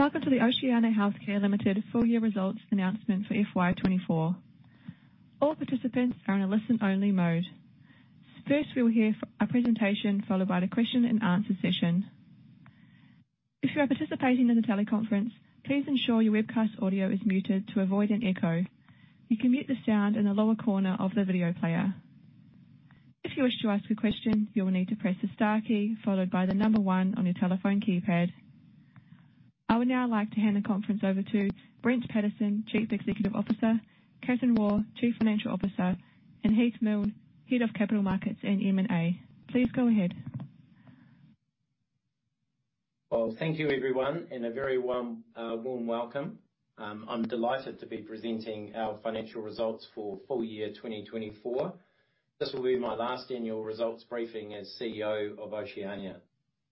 Welcome to the Oceania Healthcare Limited full year results announcement for FY 2024. All participants are in a listen-only mode. First, we will hear a presentation, followed by the question and answer session. If you are participating in the teleconference, please ensure your webcast audio is muted to avoid an echo. You can mute the sound in the lower corner of the video player. If you wish to ask a question, you will need to press the star key followed by the number 1 on your telephone keypad. I would now like to hand the conference over to Brent Pattison, Chief Executive Officer, Kathryn Waugh, Chief Financial Officer, and Heath Milne, Head of Capital Markets and M&A. Please go ahead. Well, thank you everyone, and a very warm, warm welcome. I'm delighted to be presenting our financial results for full year 2024. This will be my last annual results briefing as CEO of Oceania,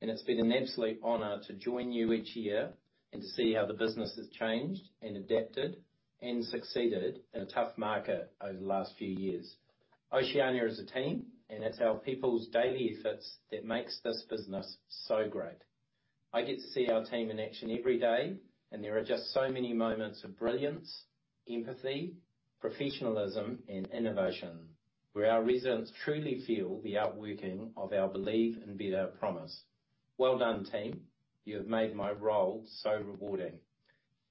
and it's been an absolute honor to join you each year and to see how the business has changed and adapted and succeeded in a tough market over the last few years. Oceania is a team, and it's our people's daily efforts that makes this business so great. I get to see our team in action every day, and there are just so many moments of brilliance, empathy, professionalism, and innovation, where our residents truly feel the outworking of our Believe in Better promise. well done, team! You have made my role so rewarding,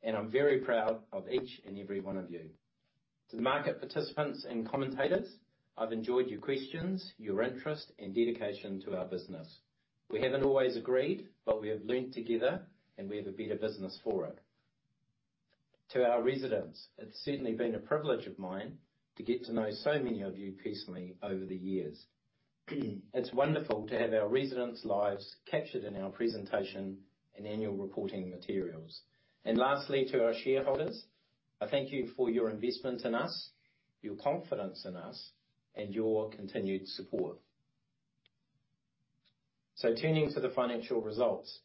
and I'm very proud of each and every one of you. To the market participants and commentators, I've enjoyed your questions, your interest, and dedication to our business. We haven't always agreed, but we have learned together, and we have a better business for it. To our residents, it's certainly been a privilege of mine to get to know so many of you personally over the years. It's wonderful to have our residents' lives captured in our presentation and annual reporting materials. Lastly, to our shareholders, I thank you for your investment in us, your confidence in us, and your continued support. Turning to the financial results,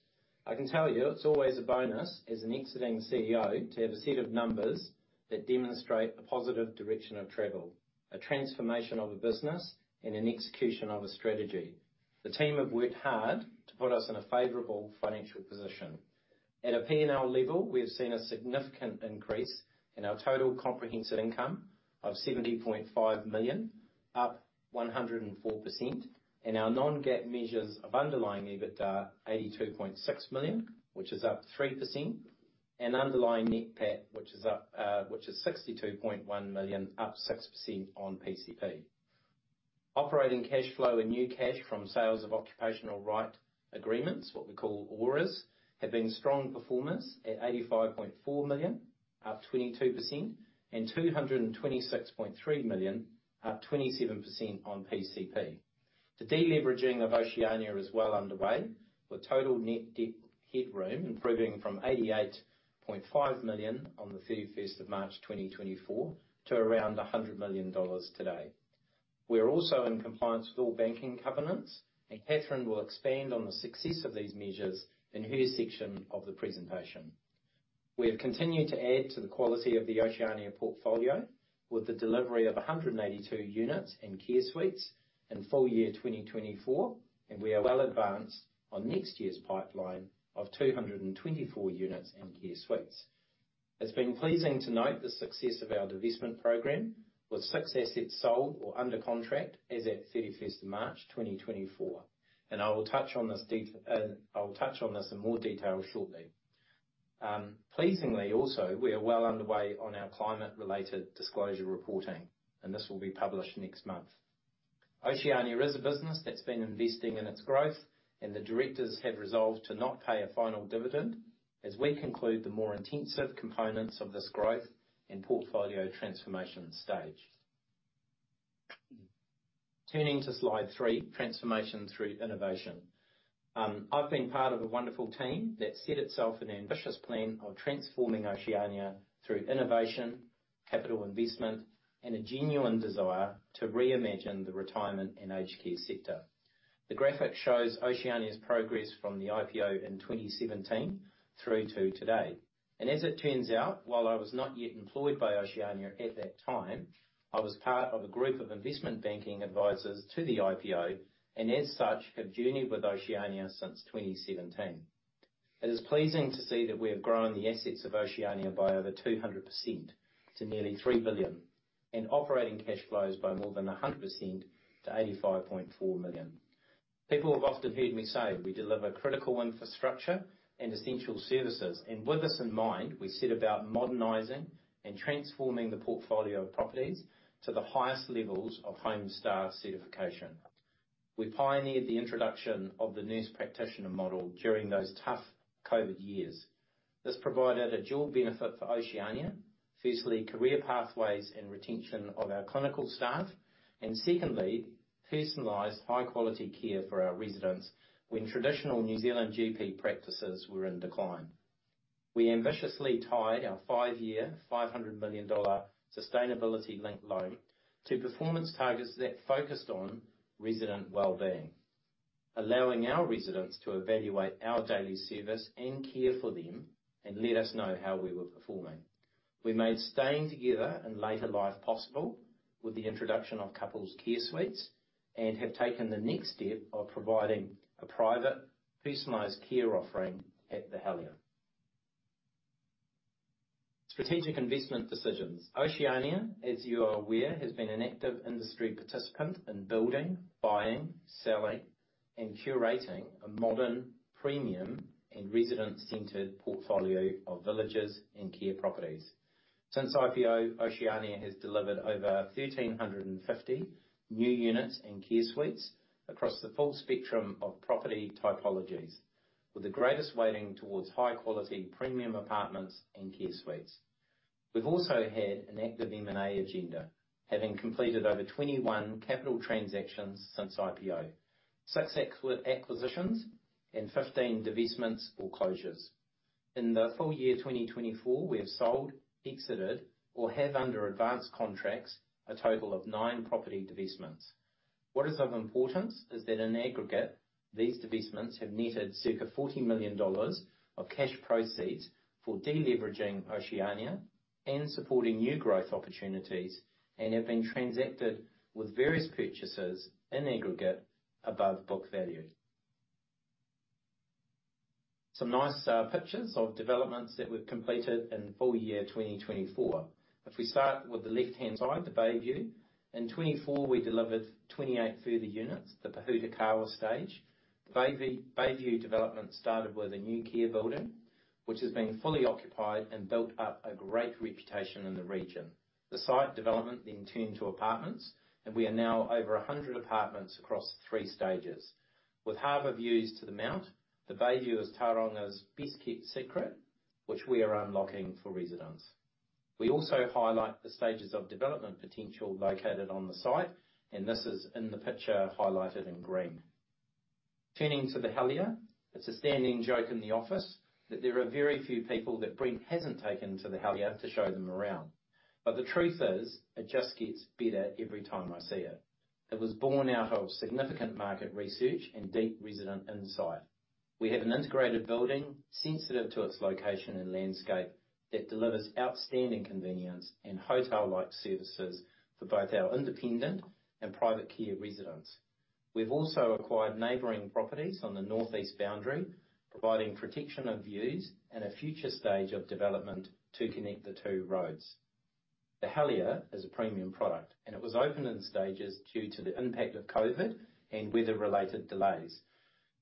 I can tell you it's always a bonus as an exiting CEO to have a set of numbers that demonstrate a positive direction of travel, a transformation of a business, and an execution of a strategy. The team have worked hard to put us in a favorable financial position. At a P&L level, we have seen a significant increase in our total comprehensive income of 70.5 million, up 104%, and our non-GAAP measures of underlying EBITDA, 82.6 million, which is up 3%, and underlying net PAT, which is 62.1 million, up 6% on PCP. Operating cash flow and new cash from sales of occupational right agreements, what we call ORAs, have been strong performers at 85.4 million, up 22%, and 226.3 million, up 27% on PCP. The de-leveraging of Oceania is well underway, with total net debt headroom improving from 88.5 million on March 31, 2024, to around 100 million dollars today. We are also in compliance with all banking covenants, and Kathryn will expand on the success of these measures in her section of the presentation. We have continued to add to the quality of the Oceania portfolio, with the delivery of 182 units and care suites in full year 2024, and we are well advanced on next year's pipeline of 224 units and care suites. It's been pleasing to note the success of our divestment program, with six assets sold or under contract as at 31st of March, 2024, and I will touch on this in more detail shortly. Pleasingly also, we are well underway on our climate-related disclosure reporting, and this will be published next month. Oceania is a business that's been investing in its growth, and the directors have resolved to not pay a final dividend as we conclude the more intensive components of this growth and portfolio transformation stage. Turning to slide 3, transformation through innovation. I've been part of a wonderful team that set itself an ambitious plan of transforming Oceania through innovation, capital investment, and a genuine desire to reimagine the retirement and aged care sector. The graphic shows Oceania's progress from the IPO in 2017 through to today. And as it turns out, while I was not yet employed by Oceania at that time, I was part of a group of investment banking advisors to the IPO, and as such, have journeyed with Oceania since 2017. It is pleasing to see that we have grown the assets of Oceania by over 200% to nearly 3 billion, and operating cash flows by more than 100% to 85.4 million. People have often heard me say, "We deliver critical infrastructure and essential services." With this in mind, we set about modernizing and transforming the portfolio of properties to the highest levels of Homestar certification. We pioneered the introduction of the nurse practitioner model during those tough COVID years. This provided a dual benefit for Oceania. Firstly, career pathways and retention of our clinical staff, and secondly, personalized high-quality care for our residents when traditional New Zealand GP practices were in decline. We ambitiously tied our five-year, 500 million dollar sustainability-linked loan to performance targets that focused on resident well-being, allowing our residents to evaluate our daily service and care for them, and let us know how we were performing. We made staying together in later life possible with the introduction of couples care suites, and have taken the next step of providing a private, personalized care offering at The Helier. Strategic investment decisions. Oceania, as you are aware, has been an active industry participant in building, buying, selling, and curating a modern, premium, and resident-centered portfolio of villages and care properties. Since IPO, Oceania has delivered over 1,350 new units and care suites across the full spectrum of property typologies, with the greatest weighting towards high-quality premium apartments and care suites. We've also had an active M&A agenda, having completed over 21 capital transactions since IPO, six acquisitions and 15 divestments or closures. In the full year 2024, we have sold, exited, or have under advanced contracts, a total of nine property divestments. What is of importance is that in aggregate, these divestments have netted circa 40 million dollars of cash proceeds for de-leveraging Oceania and supporting new growth opportunities, and have been transacted with various purchasers in aggregate above book value. Some nice pictures of developments that we've completed in the full year 2024. If we start with the left-hand side, the Bayview. In 2024, we delivered 28 further units, the Pohutukawa stage. The Bayview, Bayview development started with a new care building, which has been fully occupied and built up a great reputation in the region. The site development then turned to apartments, and we are now over 100 apartments across 3 stages. With harbor views to the Mount, the Bayview is Tauranga's best-kept secret, which we are unlocking for residents. We also highlight the stages of development potential located on the site, and this is in the picture highlighted in green. Turning to The Helier. It's a standing joke in the office that there are very few people that Brent hasn't taken to The Helier to show them around. But the truth is, it just gets better every time I see it. It was born out of significant market research and deep resident insight. We have an integrated building, sensitive to its location and landscape, that delivers outstanding convenience and hotel-like services for both our independent and private care residents. We've also acquired neighboring properties on the northeast boundary, providing protection of views and a future stage of development to connect the two roads. The Helier is a premium product, and it was opened in stages due to the impact of COVID and weather-related delays.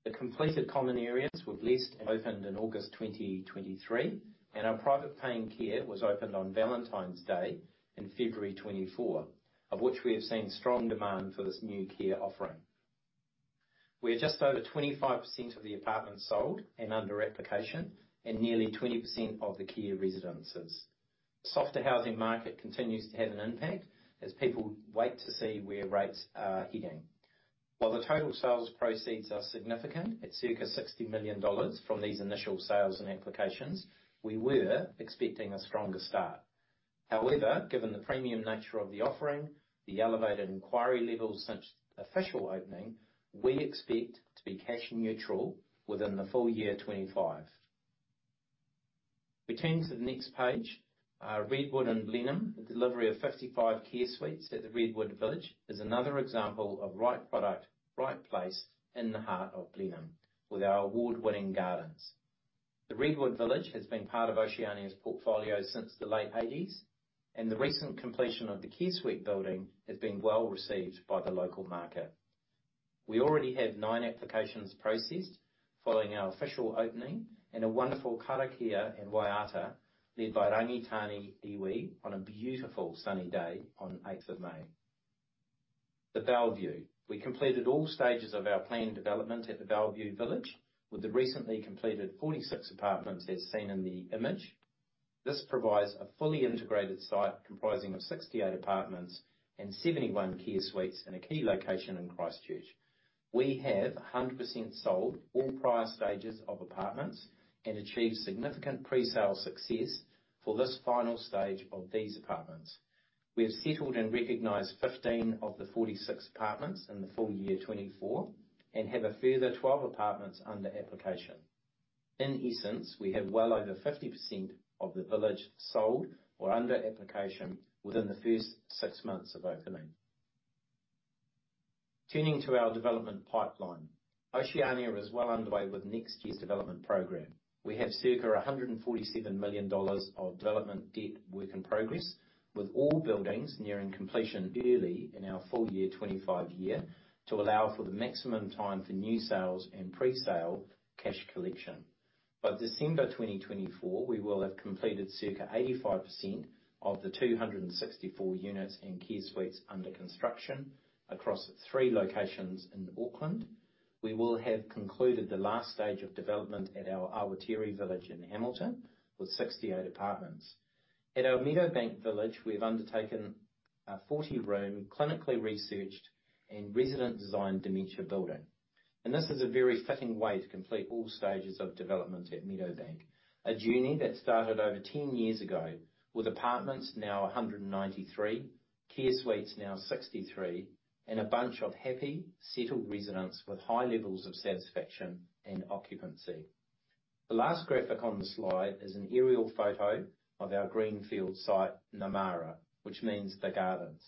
The completed common areas were leased and opened in August 2023, and our private paying care was opened on Valentine's Day in February 2024, of which we have seen strong demand for this new care offering. We have just over 25% of the apartments sold and under application and nearly 20% of the care residences. Softer housing market continues to have an impact as people wait to see where rates are heading. While the total sales proceeds are significant, at circa 60 million dollars from these initial sales and applications, we were expecting a stronger start. However, given the premium nature of the offering, the elevated inquiry levels since official opening, we expect to be cash neutral within the full year 2025. We turn to the next page. Redwood and Blenheim. The delivery of 55 care suites at the Redwood Village is another example of right product, right place in the heart of Blenheim, with our award-winning gardens. The Redwood Village has been part of Oceania's portfolio since the late 1980s, and the recent completion of the care suite building has been well received by the local market. We already have nine applications processed following our official opening, and a wonderful Karakia and Waiata, led by Rangitāne iwi on a beautiful sunny day on 8th of May. The Bellevue. We completed all stages of our planned development at the Bellevue Village, with the recently completed 46 apartments, as seen in the image. This provides a fully integrated site comprising of 68 apartments and 71 care suites in a key location in Christchurch. We have 100% sold all prior stages of apartments and achieved significant presale success for this final stage of these apartments. We have settled and recognized 15 of the 46 apartments in the full year 2024, and have a further 12 apartments under application. In essence, we have well over 50% of the village sold or under application within the first 6 months of opening. Turning to our development pipeline. Oceania is well underway with next year's development program. We have circa 147 million dollars of development debt work in progress, with all buildings nearing completion early in our full year 2025 year, to allow for the maximum time for new sales and presale cash collection. By December 2024, we will have completed circa 85% of the 264 units and care suites under construction across three locations in Auckland. We will have concluded the last stage of development at our Awatere village in Hamilton, with 68 apartments. At our Meadowbank village, we've undertaken a 40-room, clinically researched and resident-designed dementia building, and this is a very fitting way to complete all stages of development at Meadowbank. A journey that started over 10 years ago, with apartments now 193, care suites now 63, and a bunch of happy, settled residents with high levels of satisfaction and occupancy. The last graphic on the slide is an aerial photo of our greenfield site, Namara, which means The Gardens,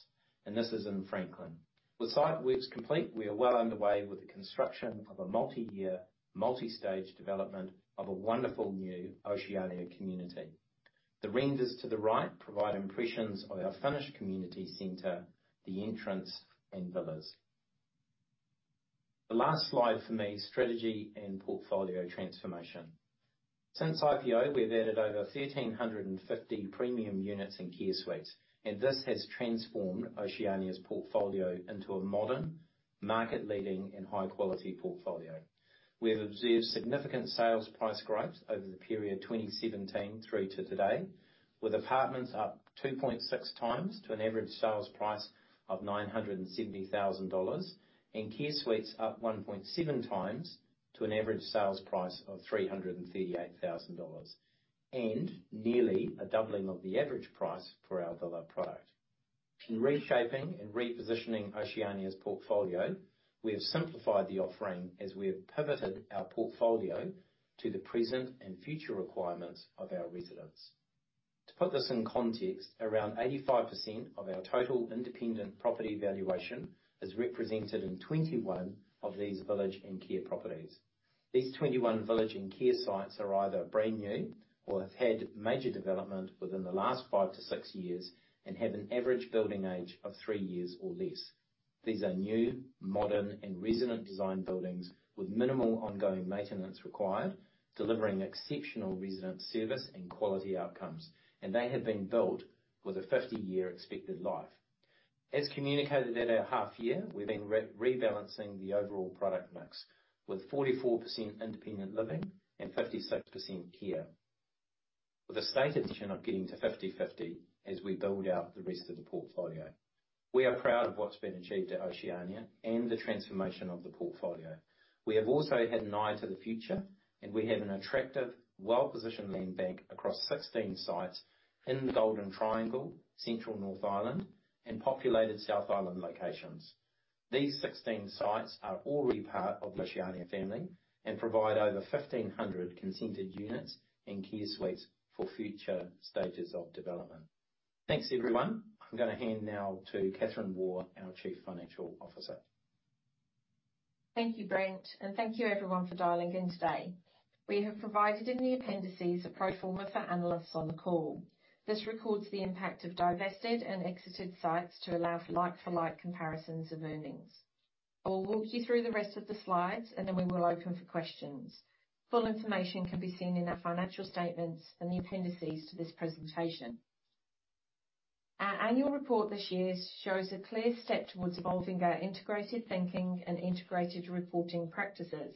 and this is in Franklin. With site works complete, we are well underway with the construction of a multi-year, multi-stage development of a wonderful new Oceania community. The renders to the right provide impressions of our finished community center, the entrance, and villas. The last slide for me: strategy and portfolio transformation. Since IPO, we've added over 1,350 premium units and care suites, and this has transformed Oceania's portfolio into a modern, market-leading, and high-quality portfolio. We have observed significant sales price growth over the period 2017 through to today, with apartments up 2.6x to an average sales price of 970,000 dollars, and care suites up 1.7x to an average sales price of 338,000 dollars, and nearly a doubling of the average price for our villa product. In reshaping and repositioning Oceania's portfolio, we have simplified the offering as we have pivoted our portfolio to the present and future requirements of our residents. To put this in context, around 85% of our total independent property valuation is represented in 21 of these village and care properties. These 21 village and care sites are either brand new or have had major development within the last 5-6 years and have an average building age of 3 years or less. These are new, modern, and resident design buildings with minimal ongoing maintenance required, delivering exceptional resident service and quality outcomes, and they have been built with a 50-year expected life. As communicated at our half year, we've been rebalancing the overall product mix, with 44% independent living and 56% care, with a stated intention of getting to 50/50 as we build out the rest of the portfolio. We are proud of what's been achieved at Oceania and the transformation of the portfolio. We have also had an eye to the future, and we have an attractive, well-positioned land bank across 16 sites in the Golden Triangle, central North Island, and populated South Island locations. These 16 sites are already part of the Oceania family and provide over 1,500 consented units and care suites for future stages of development. Thanks, everyone. I'm going to hand now to Kathryn Waugh, our Chief Financial Officer. Thank you, Brent, and thank you, everyone, for dialing in today. We have provided in the appendices a pro forma for analysts on the call. This records the impact of divested and exited sites to allow for like-for-like comparisons of earnings. I'll walk you through the rest of the slides, and then we will open for questions. Full information can be seen in our financial statements and the appendices to this presentation. Our annual report this year shows a clear step towards evolving our integrated thinking and integrated reporting practices.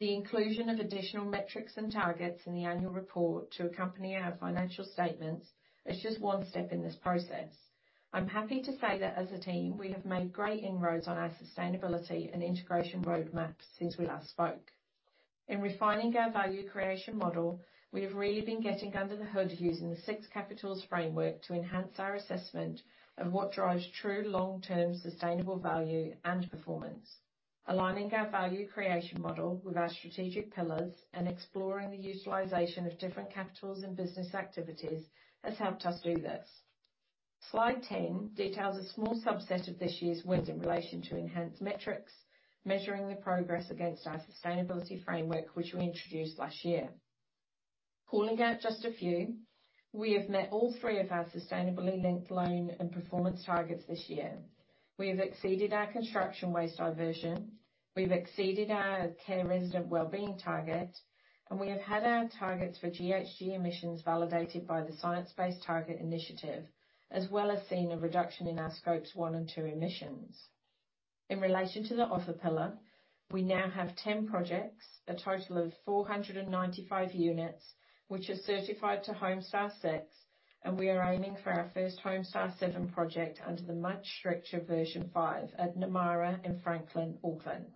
The inclusion of additional metrics and targets in the annual report to accompany our financial statements is just one step in this process. I'm happy to say that as a team, we have made great inroads on our sustainability and integration roadmap since we last spoke. In refining our value creation model, we have really been getting under the hood using the Six Capitals framework to enhance our assessment of what drives true long-term sustainable value and performance. Aligning our value creation model with our strategic pillars and exploring the utilization of different capitals and business activities has helped us do this. Slide 10 details a small subset of this year's wins in relation to enhanced metrics, measuring the progress against our sustainability framework, which we introduced last year. Calling out just a few, we have met all three of our sustainably linked loan and performance targets this year. We have exceeded our construction waste diversion, we've exceeded our care resident wellbeing target, and we have had our targets for GHG emissions validated by the Science Based Targets initiative, as well as seen a reduction in our Scope 1 and 2 emissions. In relation to the offer pillar, we now have 10 projects, a total of 495 units, which are certified to Homestar 6, and we are aiming for our first Homestar 7 project under the much stricter version 5 at Namara in Franklin, Auckland.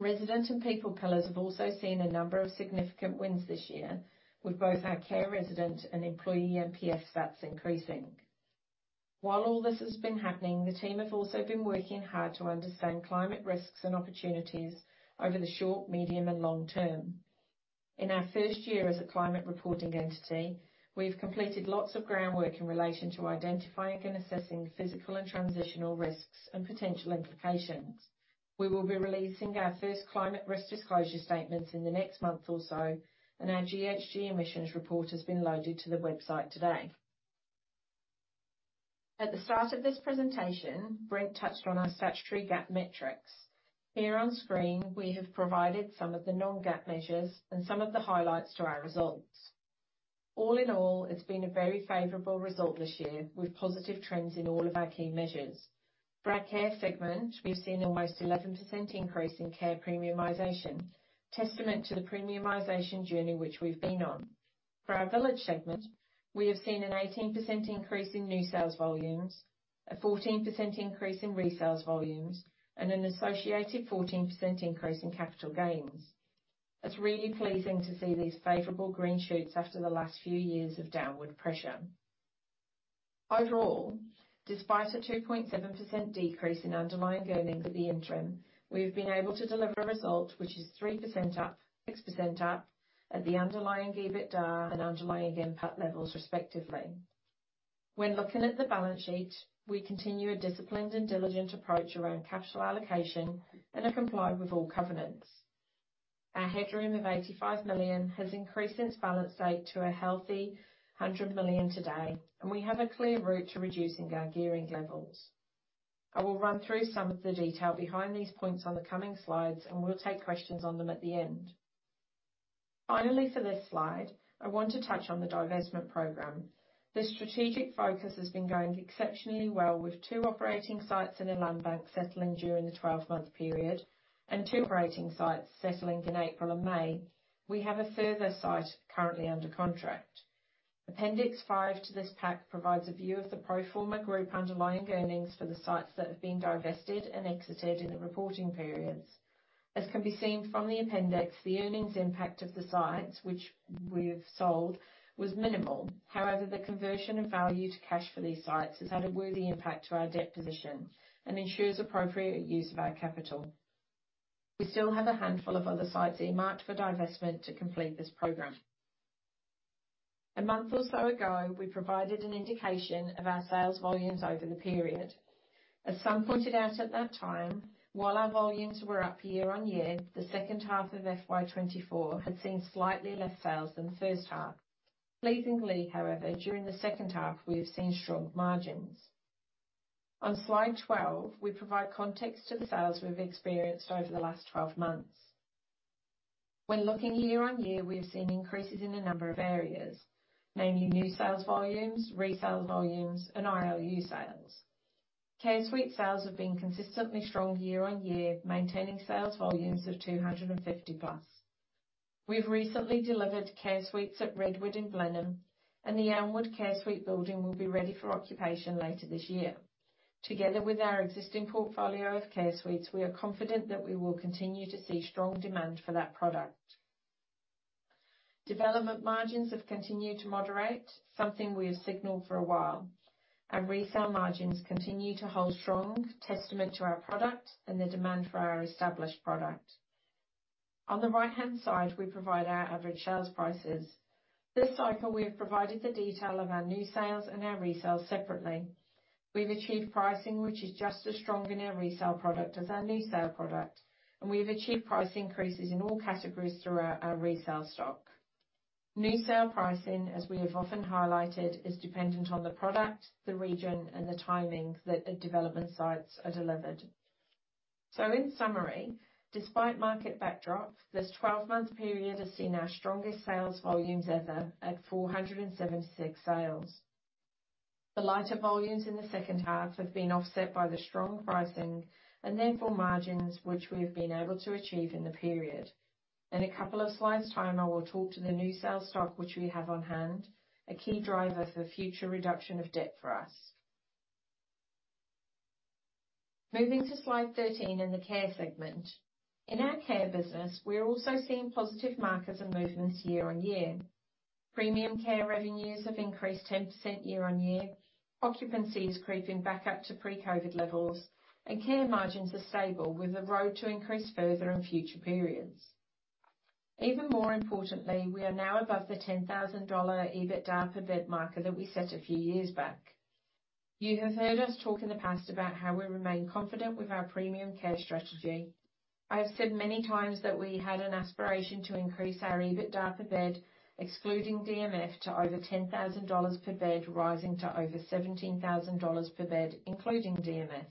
Resident and people pillars have also seen a number of significant wins this year, with both our care resident and employee NPS stats increasing. While all this has been happening, the team have also been working hard to understand climate risks and opportunities over the short, medium, and long term. In our first year as a climate reporting entity, we've completed lots of groundwork in relation to identifying and assessing physical and transitional risks and potential implications. We will be releasing our first climate risk disclosure statements in the next month or so, and our GHG emissions report has been loaded to the website today. At the start of this presentation, Brent touched on our statutory GAAP metrics. Here on screen, we have provided some of the non-GAAP measures and some of the highlights to our results. All in all, it's been a very favorable result this year, with positive trends in all of our key measures. For our care segment, we've seen almost 11% increase in care premiumization, testament to the premiumization journey which we've been on. For our village segment, we have seen an 18% increase in new sales volumes, a 14% increase in resales volumes, and an associated 14% increase in capital gains.... It's really pleasing to see these favorable green shoots after the last few years of downward pressure. Overall, despite a 2.7% decrease in underlying earnings at the interim, we've been able to deliver a result which is 3% up, 6% up at the underlying EBITDA and underlying impact levels, respectively. When looking at the balance sheet, we continue a disciplined and diligent approach around capital allocation and have complied with all covenants. Our headroom of 85 million has increased since balance date to a healthy 100 million today, and we have a clear route to reducing our gearing levels. I will run through some of the detail behind these points on the coming slides, and we'll take questions on them at the end. Finally, for this slide, I want to touch on the divestment program. This strategic focus has been going exceptionally well, with 2 operating sites in a land bank settling during the 12-month period and 2 operating sites settling in April and May. We have a further site currently under contract. Appendix 5 to this pack provides a view of the pro forma group underlying earnings for the sites that have been divested and exited in the reporting periods. As can be seen from the appendix, the earnings impact of the sites which we have sold was minimal. However, the conversion of value to cash for these sites has had a worthy impact to our debt position and ensures appropriate use of our capital. We still have a handful of other sites earmarked for divestment to complete this program. A month or so ago, we provided an indication of our sales volumes over the period. As some pointed out at that time, while our volumes were up year-on-year, the second half of FY 2024 had seen slightly less sales than the first half. Pleasingly, however, during the second half, we have seen strong margins. On slide 12, we provide context to the sales we've experienced over the last 12 months. When looking year-on-year, we have seen increases in a number of areas, namely new sales volumes, resale volumes, and ILU sales. Care Suites sales have been consistently strong year-on-year, maintaining sales volumes of 250+. We've recently delivered Care Suites at Redwood and Blenheim, and the Elmwood Care Suites building will be ready for occupation later this year. Together with our existing portfolio of Care Suites, we are confident that we will continue to see strong demand for that product. Development margins have continued to moderate, something we have signaled for a while, and resale margins continue to hold strong, testament to our product and the demand for our established product. On the right-hand side, we provide our average sales prices. This cycle, we have provided the detail of our new sales and our resales separately. We've achieved pricing which is just as strong in our resale product as our new sale product, and we've achieved price increases in all categories throughout our resale stock. New sale pricing, as we have often highlighted, is dependent on the product, the region, and the timing that the development sites are delivered. So in summary, despite market backdrop, this twelve-month period has seen our strongest sales volumes ever at 476 sales. The lighter volumes in the second half have been offset by the strong pricing and therefore margins, which we have been able to achieve in the period. In a couple of slides time, I will talk to the new sales stock, which we have on hand, a key driver for future reduction of debt for us. Moving to slide 13 in the care segment. In our care business, we are also seeing positive markers and movements year-over-year. Premium care revenues have increased 10% year-over-year. Occupancy is creeping back up to pre-COVID levels, and care margins are stable, with a road to increase further in future periods. Even more importantly, we are now above the 10,000 dollar EBITDA per bed marker that we set a few years back. You have heard us talk in the past about how we remain confident with our premium care strategy. I have said many times that we had an aspiration to increase our EBITDA per bed, excluding DMF, to over 10,000 dollars per bed, rising to over 17,000 dollars per bed, including DMF.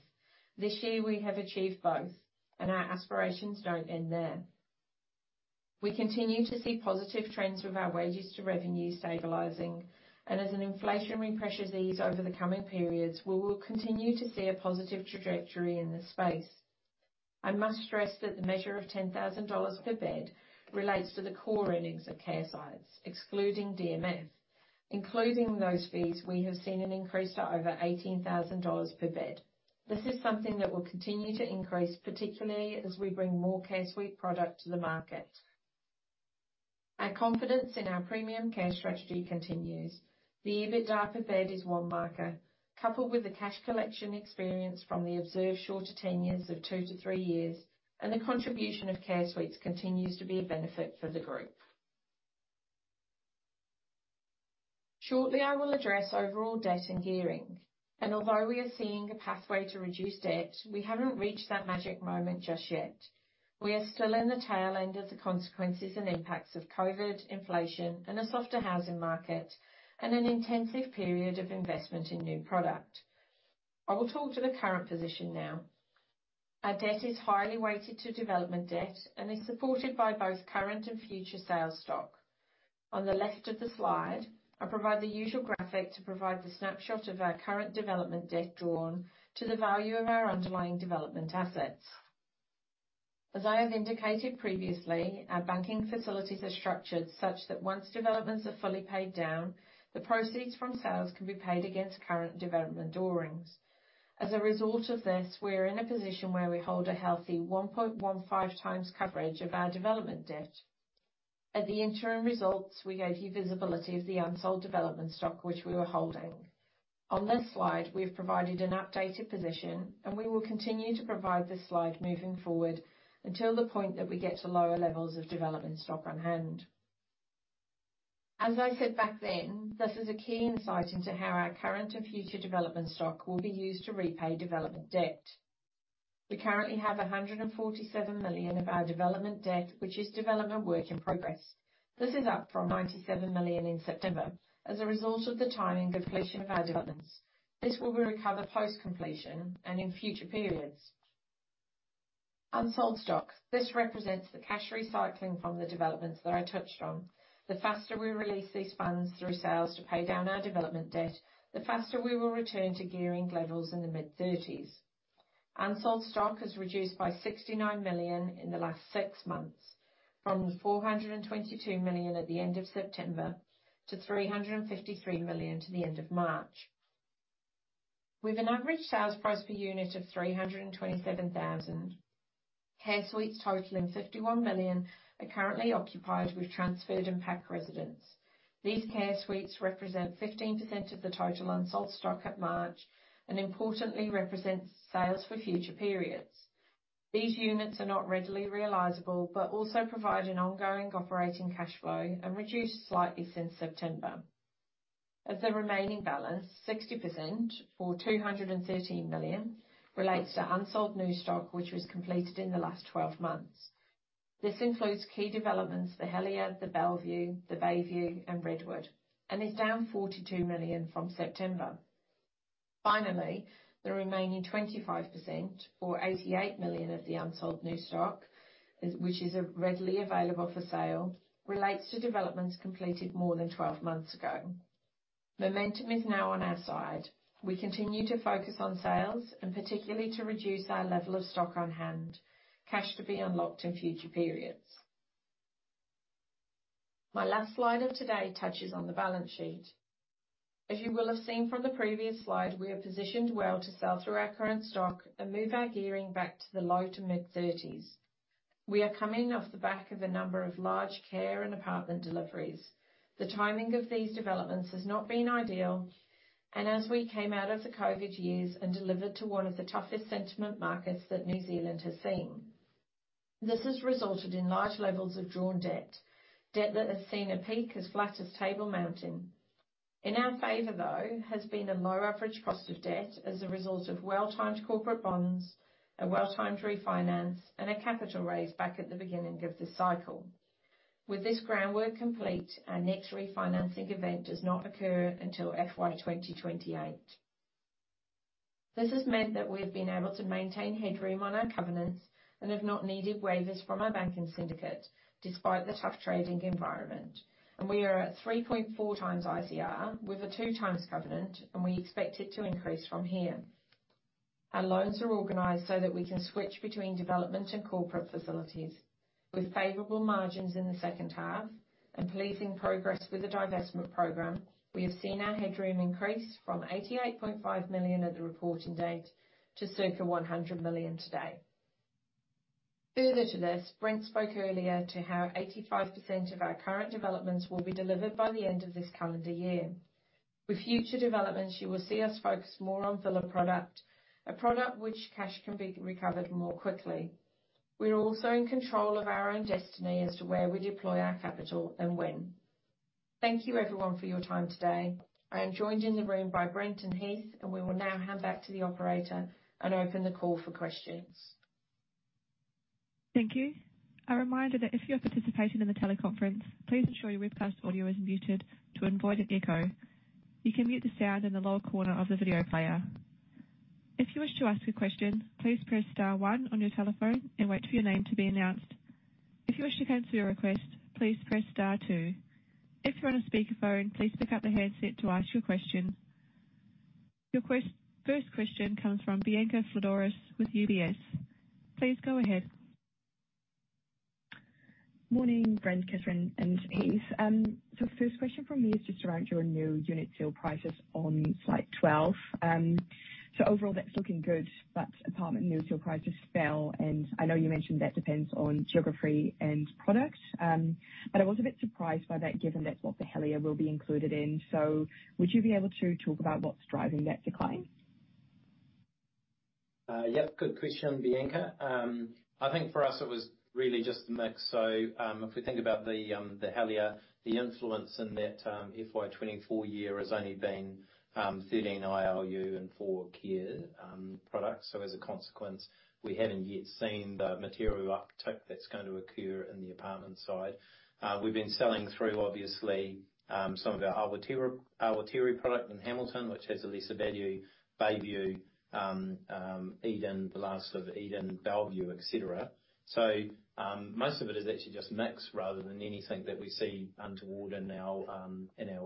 This year, we have achieved both, and our aspirations don't end there. We continue to see positive trends with our wages to revenue stabilizing, and as an inflationary pressure ease over the coming periods, we will continue to see a positive trajectory in this space. I must stress that the measure of 10,000 dollars per bed relates to the core earnings of care sites, excluding DMF. Including those fees, we have seen an increase to over 18,000 dollars per bed. This is something that will continue to increase, particularly as we bring more care suite product to the market. Our confidence in our premium care strategy continues. The EBITDA per bed is one marker, coupled with the cash collection experience from the observed shorter tenures of 2-3 years, and the contribution of care suites continues to be a benefit for the Group. Shortly, I will address overall debt and gearing, and although we are seeing a pathway to reduce debt, we haven't reached that magic moment just yet. We are still in the tail end of the consequences and impacts of COVID, inflation, and a softer housing market, and an intensive period of investment in new product. I will talk to the current position now. Our debt is highly weighted to development debt and is supported by both current and future sales stock. On the left of the slide, I provide the usual graphic to provide the snapshot of our current development debt drawn to the value of our underlying development assets. As I have indicated previously, our banking facilities are structured such that once developments are fully paid down, the proceeds from sales can be paid against current development drawings. As a result of this, we are in a position where we hold a healthy 1.15 times coverage of our development debt. At the interim results, we gave you visibility of the unsold development stock, which we were holding. On this slide, we have provided an updated position, and we will continue to provide this slide moving forward until the point that we get to lower levels of development stock on hand. As I said back then, this is a key insight into how our current and future development stock will be used to repay development debt. We currently have 147 million of our development debt, which is development work in progress. This is up from 97 million in September as a result of the timing of completion of our developments. This will be recovered post-completion and in future periods. Unsold stock. This represents the cash recycling from the developments that I touched on. The faster we release these funds through sales to pay down our development debt, the faster we will return to gearing levels in the mid-thirties. Unsold stock has reduced by 69 million in the last six months, from 422 million at the end of September to 353 million to the end of March. With an average sales price per unit of 327,000, care suites totaling 51 million are currently occupied with transferred and PAC residents. These care suites represent 15% of the total unsold stock at March, and importantly, represent sales for future periods. These units are not readily realizable, but also provide an ongoing operating cash flow and reduced slightly since September. As the remaining balance, 60%, or 213 million, relates to unsold new stock, which was completed in the last twelve months. This includes key developments, The Helier, The Bellevue, The Bayview, and Redwood, and is down 42 million from September. Finally, the remaining 25%, or 88 million of the unsold new stock, is, which is, readily available for sale, relates to developments completed more than twelve months ago. Momentum is now on our side. We continue to focus on sales, and particularly to reduce our level of stock on hand, cash to be unlocked in future periods. My last slide of today touches on the balance sheet. As you will have seen from the previous slide, we are positioned well to sell through our current stock and move our gearing back to the low- to mid-30s. We are coming off the back of a number of large care and apartment deliveries. The timing of these developments has not been ideal, and as we came out of the COVID years and delivered to one of the toughest sentiment markets that New Zealand has seen, this has resulted in large levels of drawn debt, debt that has seen a peak as flat as Table Mountain. In our favor, though, has been a low average cost of debt as a result of well-timed corporate bonds, a well-timed refinance, and a capital raise back at the beginning of this cycle. With this groundwork complete, our next refinancing event does not occur until FY 2028. This has meant that we've been able to maintain headroom on our covenants and have not needed waivers from our banking syndicate despite the tough trading environment. We are at 3.4x ICR with a 2x covenant, and we expect it to increase from here. Our loans are organized so that we can switch between development and corporate facilities. With favorable margins in the second half and pleasing progress with the divestment program, we have seen our headroom increase from 88.5 million at the reporting date to circa 100 million today. Further to this, Brent spoke earlier to how 85% of our current developments will be delivered by the end of this calendar year. With future developments, you will see us focus more on filler product, a product which cash can be recovered more quickly. We are also in control of our own destiny as to where we deploy our capital and when. Thank you everyone for your time today. I am joined in the room by Brent and Heath, and we will now hand back to the operator and open the call for questions. Thank you. A reminder that if you are participating in the teleconference, please ensure your webcast audio is muted to avoid an echo. You can mute the sound in the lower corner of the video player. If you wish to ask a question, please press star one on your telephone and wait for your name to be announced. If you wish to cancel your request, please press star two. If you're on a speakerphone, please pick up the handset to ask your question. Your first question comes from Bianca Fledderus with UBS. Please go ahead. Morning, Brent, Kathryn, and Heath. So the first question from me is just around your new unit sale prices on slide 12. So overall, that's looking good, but apartment new unit sales prices fell, and I know you mentioned that depends on geography and product, but I was a bit surprised by that, given that's what The Helier will be included in. So would you be able to talk about what's driving that decline? Yep, good question, Bianca. I think for us, it was really just mix. So, if we think about The Helier, the influence in that FY 2024 year has only been 13 ILU and 4 care products. So as a consequence, we haven't yet seen the material uptick that's going to occur in the apartment side. We've been selling through, obviously, some of our Awatere product in Hamilton, which has released Value, Bayview, Eden, the last of Eden, Bellevue, et cetera. So, most of it is actually just mix rather than anything that we see untoward in our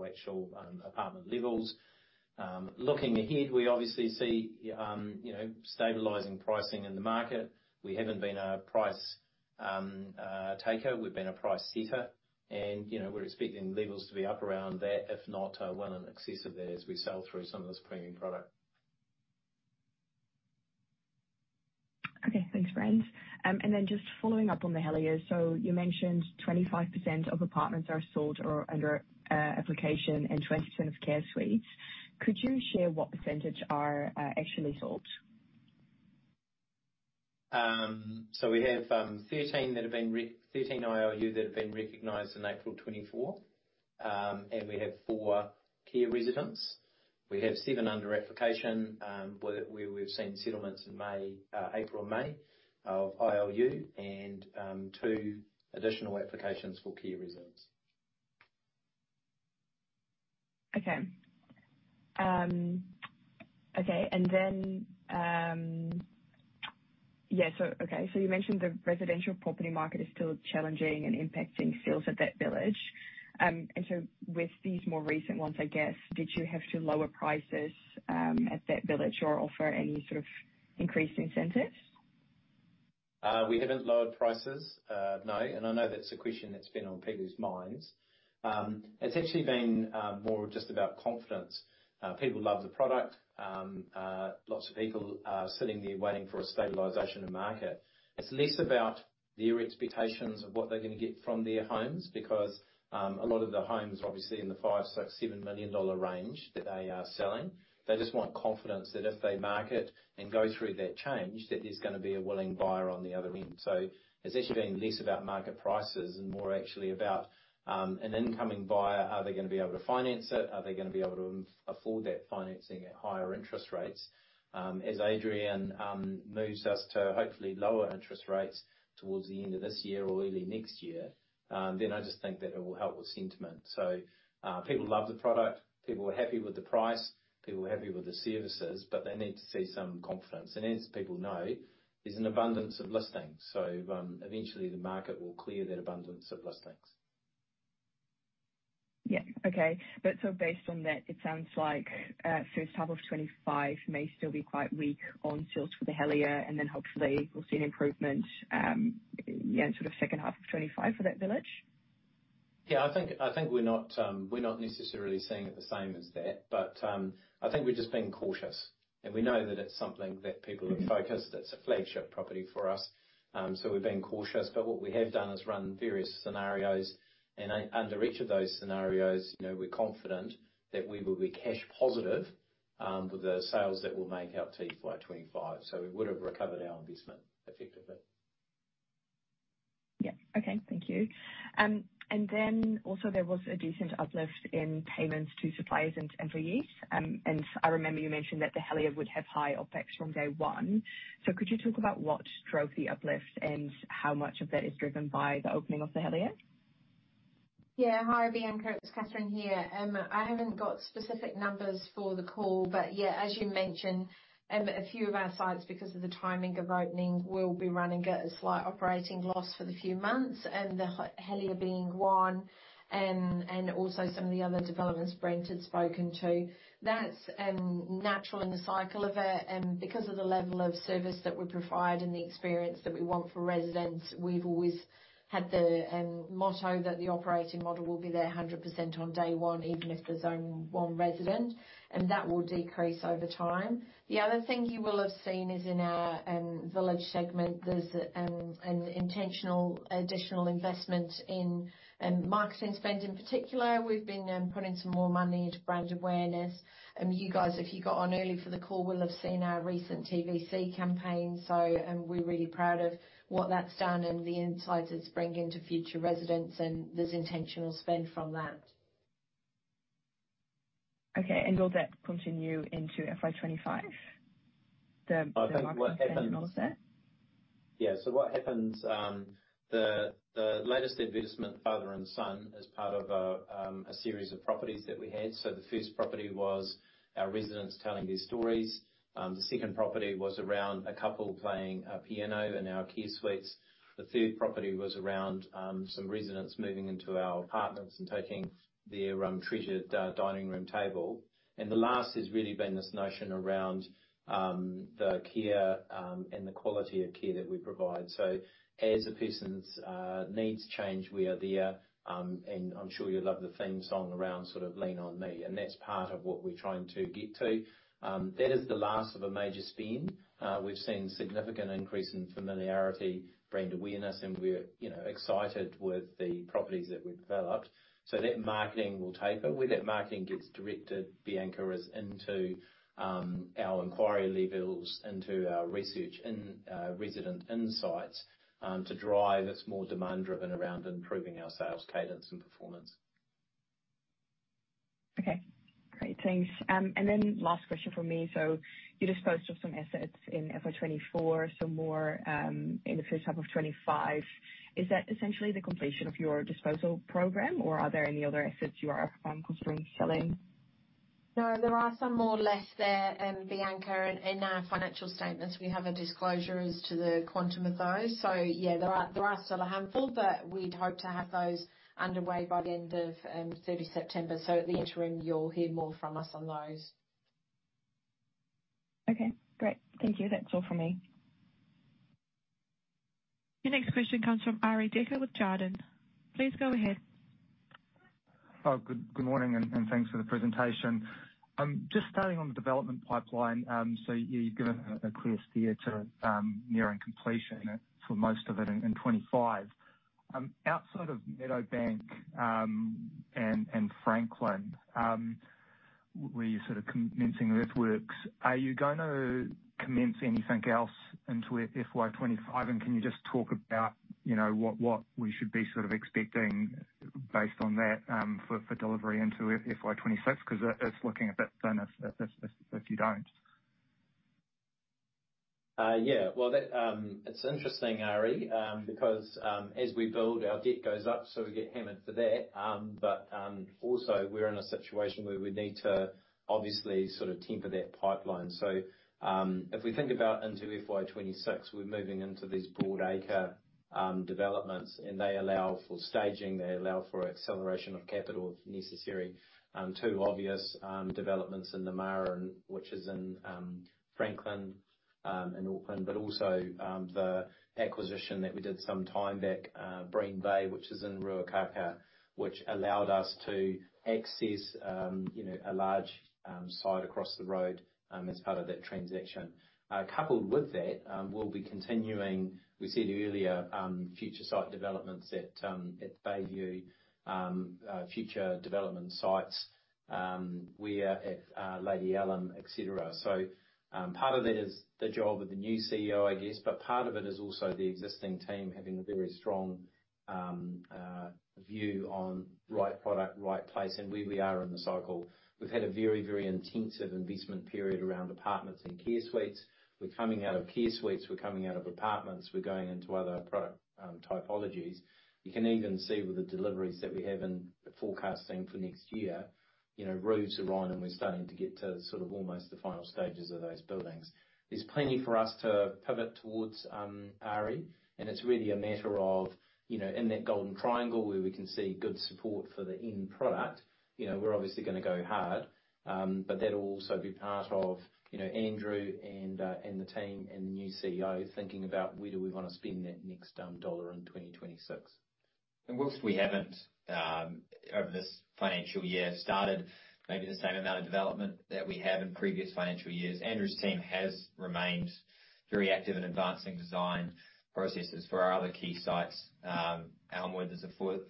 actual apartment levels. Looking ahead, we obviously see, you know, stabilizing pricing in the market. We haven't been a price taker, we've been a price setter. You know, we're expecting levels to be up around there, if not well in excess of that as we sell through some of this premium product.... Okay, thanks, Brent. And then just following up on the Helier. So you mentioned 25% of apartments are sold or under application and 20% of Care Suites. Could you share what percentage are actually sold? So we have 13 ILU that have been recognized in April 2024. And we have 4 care residents. We have 7 under application, where we've seen settlements in May, April and May of ILU, and 2 additional applications for care residents. Okay, and then, yeah, so okay. So you mentioned the residential property market is still challenging and impacting sales at that village. And so with these more recent ones, I guess, did you have to lower prices at that village or offer any sort of increased incentives? We haven't lowered prices, no. And I know that's a question that's been on people's minds. It's actually been more just about confidence. People love the product. Lots of people are sitting there waiting for a stabilization of market. It's less about their expectations of what they're going to get from their homes, because a lot of the homes, obviously in the 5, 6, 7 million dollar range that they are selling, they just want confidence that if they market and go through that change, that there's going to be a willing buyer on the other end. So it's actually been less about market prices and more actually about an incoming buyer. Are they going to be able to finance it? Are they going to be able to afford that financing at higher interest rates? As Adrian moves us to hopefully lower interest rates towards the end of this year or early next year, then I just think that it will help with sentiment. People love the product, people are happy with the price, people are happy with the services, but they need to see some confidence. As people know, there's an abundance of listings, so eventually the market will clear that abundance of listings. Yeah. Okay. But so based on that, it sounds like, first half of 2025 may still be quite weak on sales for the Helier, and then hopefully we'll see an improvement, yeah, sort of second half of 2025 for that village? Yeah, I think, I think we're not, we're not necessarily seeing it the same as that, but, I think we're just being cautious, and we know that it's something that people are focused. It's a flagship property for us, so we're being cautious. But what we have done is run various scenarios, and under each of those scenarios, you know, we're confident that we will be cash positive, with the sales that we'll make out to FY 2025. So we would have recovered our investment effectively. Yeah. Okay. Thank you. And then also, there was a decent uplift in payments to suppliers and employees. And I remember you mentioned that the Helier would have high OpEx from day one. So could you talk about what drove the uplift, and how much of that is driven by the opening of the Helier? Yeah. Hi, Bianca. It's Kathryn here. I haven't got specific numbers for the call, but yeah, as you mentioned, a few of our sites, because of the timing of opening, will be running at a slight operating loss for the few months, and the Helier being one, and also some of the other developments Brent had spoken to. That's natural in the cycle of it, because of the level of service that we provide and the experience that we want for residents, we've always had the motto that the operating model will be there 100% on day one, even if there's only one resident, and that will decrease over time. The other thing you will have seen is in our village segment, there's an intentional additional investment in marketing spend. In particular, we've been putting some more money into brand awareness. You guys, if you got on early for the call, will have seen our recent TVC campaign. So, we're really proud of what that's done and the insights it's bringing to future residents, and there's intentional spend from that. Okay, and will that continue into FY 25, the- I think what happens- Marketing model set? Yeah. So what happens, the latest advertisement, Father and Son, is part of a series of properties that we had. So the first property was our residents telling their stories. The second property was around a couple playing a piano in our care suites. The third property was around some residents moving into our apartments and taking their treasured dining room table. And the last has really been this notion around the care and the quality of care that we provide. So as a person's needs change, we are there, and I'm sure you love the theme song around sort of Lean On Me, and that's part of what we're trying to get to. That is the last of a major spend. We've seen significant increase in familiarity, brand awareness, and we're, you know, excited with the properties that we've developed. So that marketing will taper. Where that marketing gets directed, Bianca, is into our inquiry levels, into our research and resident insights to drive... It's more demand-driven around improving our sales cadence and performance. Okay. Great. Thanks. And then last question from me. So you disposed of some assets in FY 2024, some more, in the first half of 2025. Is that essentially the completion of your disposal program, or are there any other assets you are considering selling? No, there are some more left there, Bianca, and in our financial statements, we have a disclosure as to the quantum of those. So yeah, there are, there are still a handful, but we'd hope to have those underway by the end of 30 September. So at the interim, you'll hear more from us on those. Okay, great. Thank you. That's all for me. Your next question comes from Arie Dekker with Jarden. Please go ahead. Oh, good morning, and thanks for the presentation. Just starting on the development pipeline, so you've given a clear steer to nearing completion for most of it in 2025. Outside of Meadowbank and Franklin, where you're sort of commencing earthworks, are you going to commence anything else into FY 2025? And can you just talk about, you know, what we should be sort of expecting based on that, for delivery into FY 2026? Because it's looking a bit thin if you don't. Yeah, well, it's interesting, Arie, because as we build, our debt goes up, so we get hammered for that. But also, we're in a situation where we need to obviously sort of temper that pipeline. So, if we think about into FY 2026, we're moving into these broad acre developments, and they allow for staging, they allow for acceleration of capital, if necessary. 2 obvious developments in Namara, and which is in Franklin in Auckland, but also the acquisition that we did some time back, Bream Bay, which is in Ruakaka, which allowed us to access you know a large site across the road as part of that transaction. Coupled with that, we'll be continuing, we said earlier, future site developments at Bayview, future development sites where at Lady Allum, et cetera. So, part of that is the job of the new CEO, I guess, but part of it is also the existing team having a very strong view on right product, right place, and where we are in the cycle. We've had a very, very intensive investment period around apartments and Care Suites. We're coming out of Care Suites, we're coming out of apartments, we're going into other product typologies. You can even see with the deliveries that we have in the forecasting for next year, you know, roofs are on, and we're starting to get to sort of almost the final stages of those buildings. There's plenty for us to pivot towards, Ari, and it's really a matter of, you know, in that Golden Triangle where we can see good support for the end product, you know, we're obviously going to go hard, but that'll also be part of, you know, Andrew and the team, and the new CEO thinking about where do we want to spend that next dollar in 2026. While we haven't over this financial year started maybe the same amount of development that we have in previous financial years, Andrew's team has remained very active in advancing design processes for our other key sites. Elmwood—there's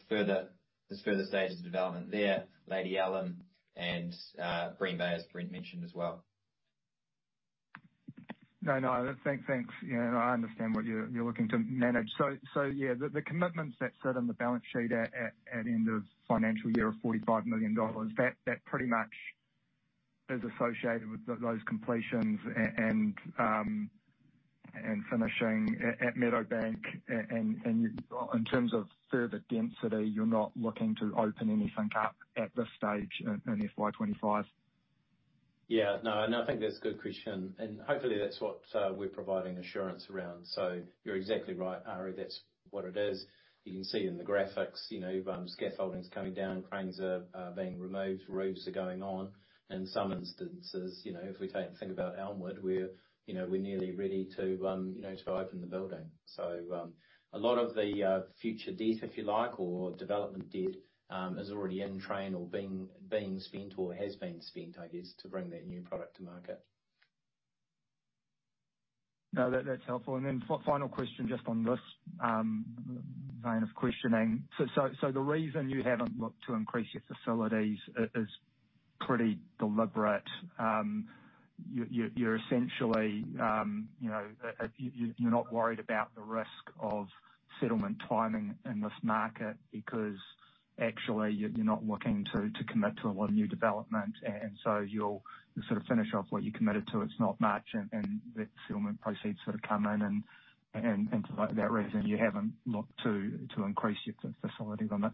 further stages of development there, Lady Allum, and Bream Bay, as Brent mentioned as well. No, no, thanks, thanks. Yeah, no, I understand what you're, you're looking to manage. So, yeah, the commitments that sit on the balance sheet at end of financial year are 45 million dollars, that pretty much is associated with those completions and finishing at Meadowbank. And in terms of further density, you're not looking to open anything up at this stage in FY 2025? Yeah, no, and I think that's a good question, and hopefully, that's what we're providing assurance around. So you're exactly right, Ari, that's what it is. You can see in the graphics, you know, scaffolding coming down, cranes are being removed, roofs are going on. In some instances, you know, if we take—think about Elmwood, we're, you know, we're nearly ready to, you know, to open the building. So, a lot of the future debt, if you like, or development debt, is already in train or being spent or has been spent, I guess, to bring that new product to market. No, that's helpful. And then for final question, just on this vein of questioning. So the reason you haven't looked to increase your facilities is pretty deliberate. You're essentially, you know, you're not worried about the risk of settlement timing in this market because actually, you're not looking to commit to a lot of new development, and so you'll sort of finish off what you're committed to. It's not much, and for that reason, you haven't looked to increase your facilities on it.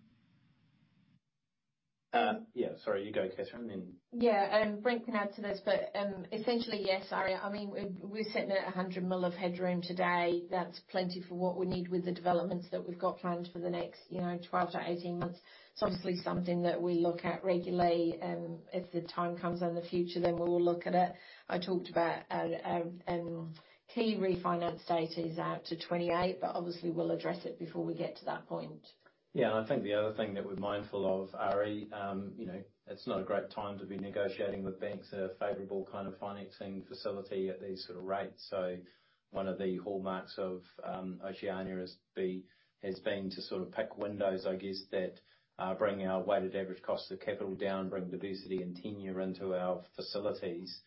Yeah, sorry, you go, Kathryn, and then- Yeah, and Brent can add to this, but, essentially, yes, Ari, I mean, we're sitting at 100 million of headroom today. That's plenty for what we need with the developments that we've got planned for the next, you know, 12-18 months. It's obviously something that we look at regularly, if the time comes in the future, then we'll look at it. I talked about, key refinance date is out to 2028, but obviously, we'll address it before we get to that point. Yeah, and I think the other thing that we're mindful of, Ari, you know, it's not a great time to be negotiating with banks a favorable kind of financing facility at these sort of rates. So one of the hallmarks of Oceania has been to sort of pick windows, I guess, that bring our weighted average cost of capital down, bring diversity and tenure into our facilities,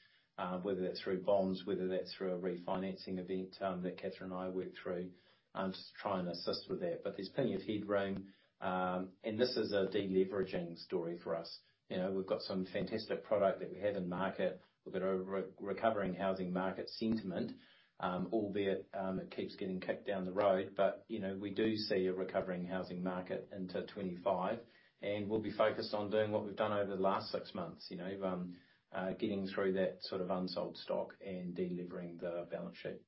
whether that's through bonds, whether that's through a refinancing event that Kathryn and I work through, to try and assist with that. But there's plenty of headroom, and this is a de-leveraging story for us. You know, we've got some fantastic product that we have in market. We've got a recovering housing market sentiment, albeit it keeps getting kicked down the road, but, you know, we do see a recovering housing market into 2025, and we'll be focused on doing what we've done over the last six months. You know, getting through that sort of unsold stock and de-leveraging the balance sheet.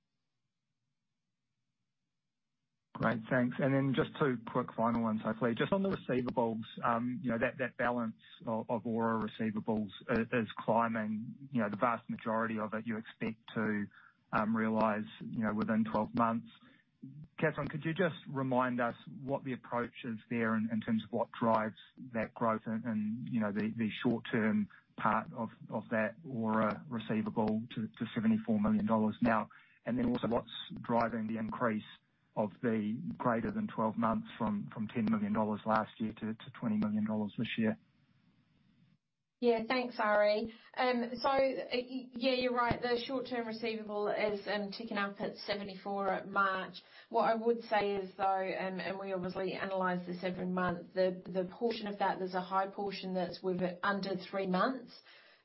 Great, thanks. And then just two quick final ones, hopefully. Just on the receivables, you know, that, that balance of ORA receivables is climbing. You know, the vast majority of it, you expect to realize, you know, within 12 months. Kathryn, could you just remind us what the approach is there in terms of what drives that growth and, you know, the short-term part of that ORA receivable to 74 million dollars now? And then also, what's driving the increase of the greater than 12 months from 10 million dollars last year to 20 million dollars this year? Yeah. Thanks, Ari. So, yeah, you're right. The short-term receivable is ticking up at 74 at March. What I would say is, though, and we obviously analyze this every month, the portion of that, there's a high portion that's with under three months.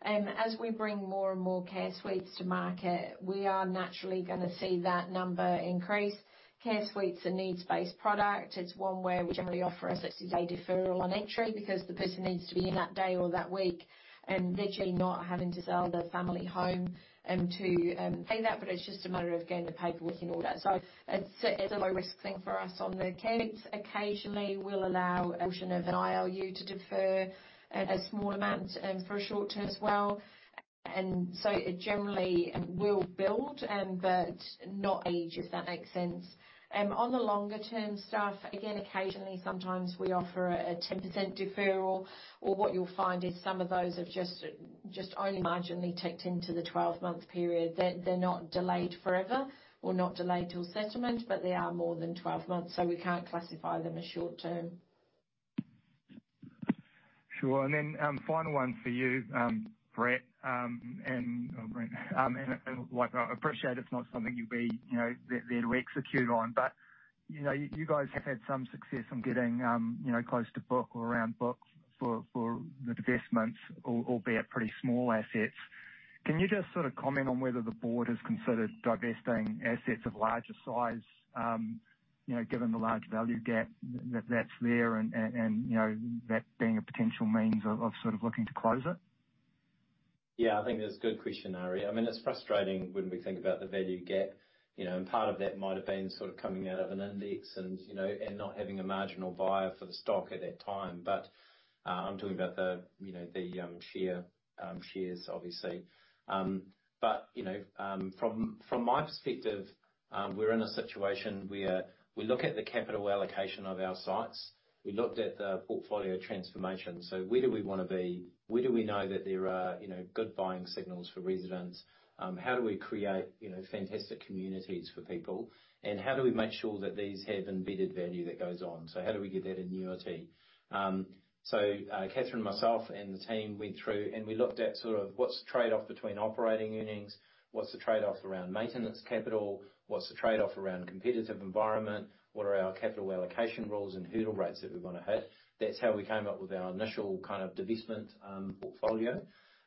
And as we bring more and more Care Suites to market, we are naturally gonna see that number increase. Care Suite's a needs-based product. It's one where we generally offer a 60-day deferral on entry, because the person needs to be in that day or that week, literally not having to sell their family home, to pay that, but it's just a matter of getting the paperwork in order. So it's a low-risk thing for us on the CapEx. Occasionally, we'll allow a portion of an ILU to defer, a small amount, for a short term as well. And so it generally will build, but not age, if that makes sense. On the longer term stuff, again, occasionally, sometimes we offer a, a 10% deferral, or what you'll find is some of those have just, just only marginally ticked into the 12-month period. They're, they're not delayed forever, or not delayed till settlement, but they are more than 12 months, so we can't classify them as short term. Sure. And then, final one for you, Brent, and look, I appreciate it's not something you'd be, you know, there to execute on, but, you know, you guys have had some success in getting, you know, close to book or around book for the divestments, albeit pretty small assets. Can you just sort of comment on whether the board has considered divesting assets of larger size, you know, given the large value gap that's there, and that being a potential means of sort of looking to close it? Yeah, I think that's a good question, Ari. I mean, it's frustrating when we think about the value gap, you know, and part of that might have been sort of coming out of an index and, you know, and not having a marginal buyer for the stock at that time. But, I'm talking about the, you know, the shares, obviously. But, you know, from my perspective, we're in a situation where we look at the capital allocation of our sites. We looked at the portfolio transformation. So where do we want to be? Where do we know that there are, you know, good buying signals for residents? How do we create, you know, fantastic communities for people? And how do we make sure that these have embedded value that goes on? So how do we get that annuity? So, Kathryn, myself, and the team went through, and we looked at sort of what's the trade-off between operating earnings, what's the trade-off around maintenance capital, what's the trade-off around competitive environment, what are our capital allocation rules and hurdle rates that we want to hit? That's how we came up with our initial kind of divestment portfolio.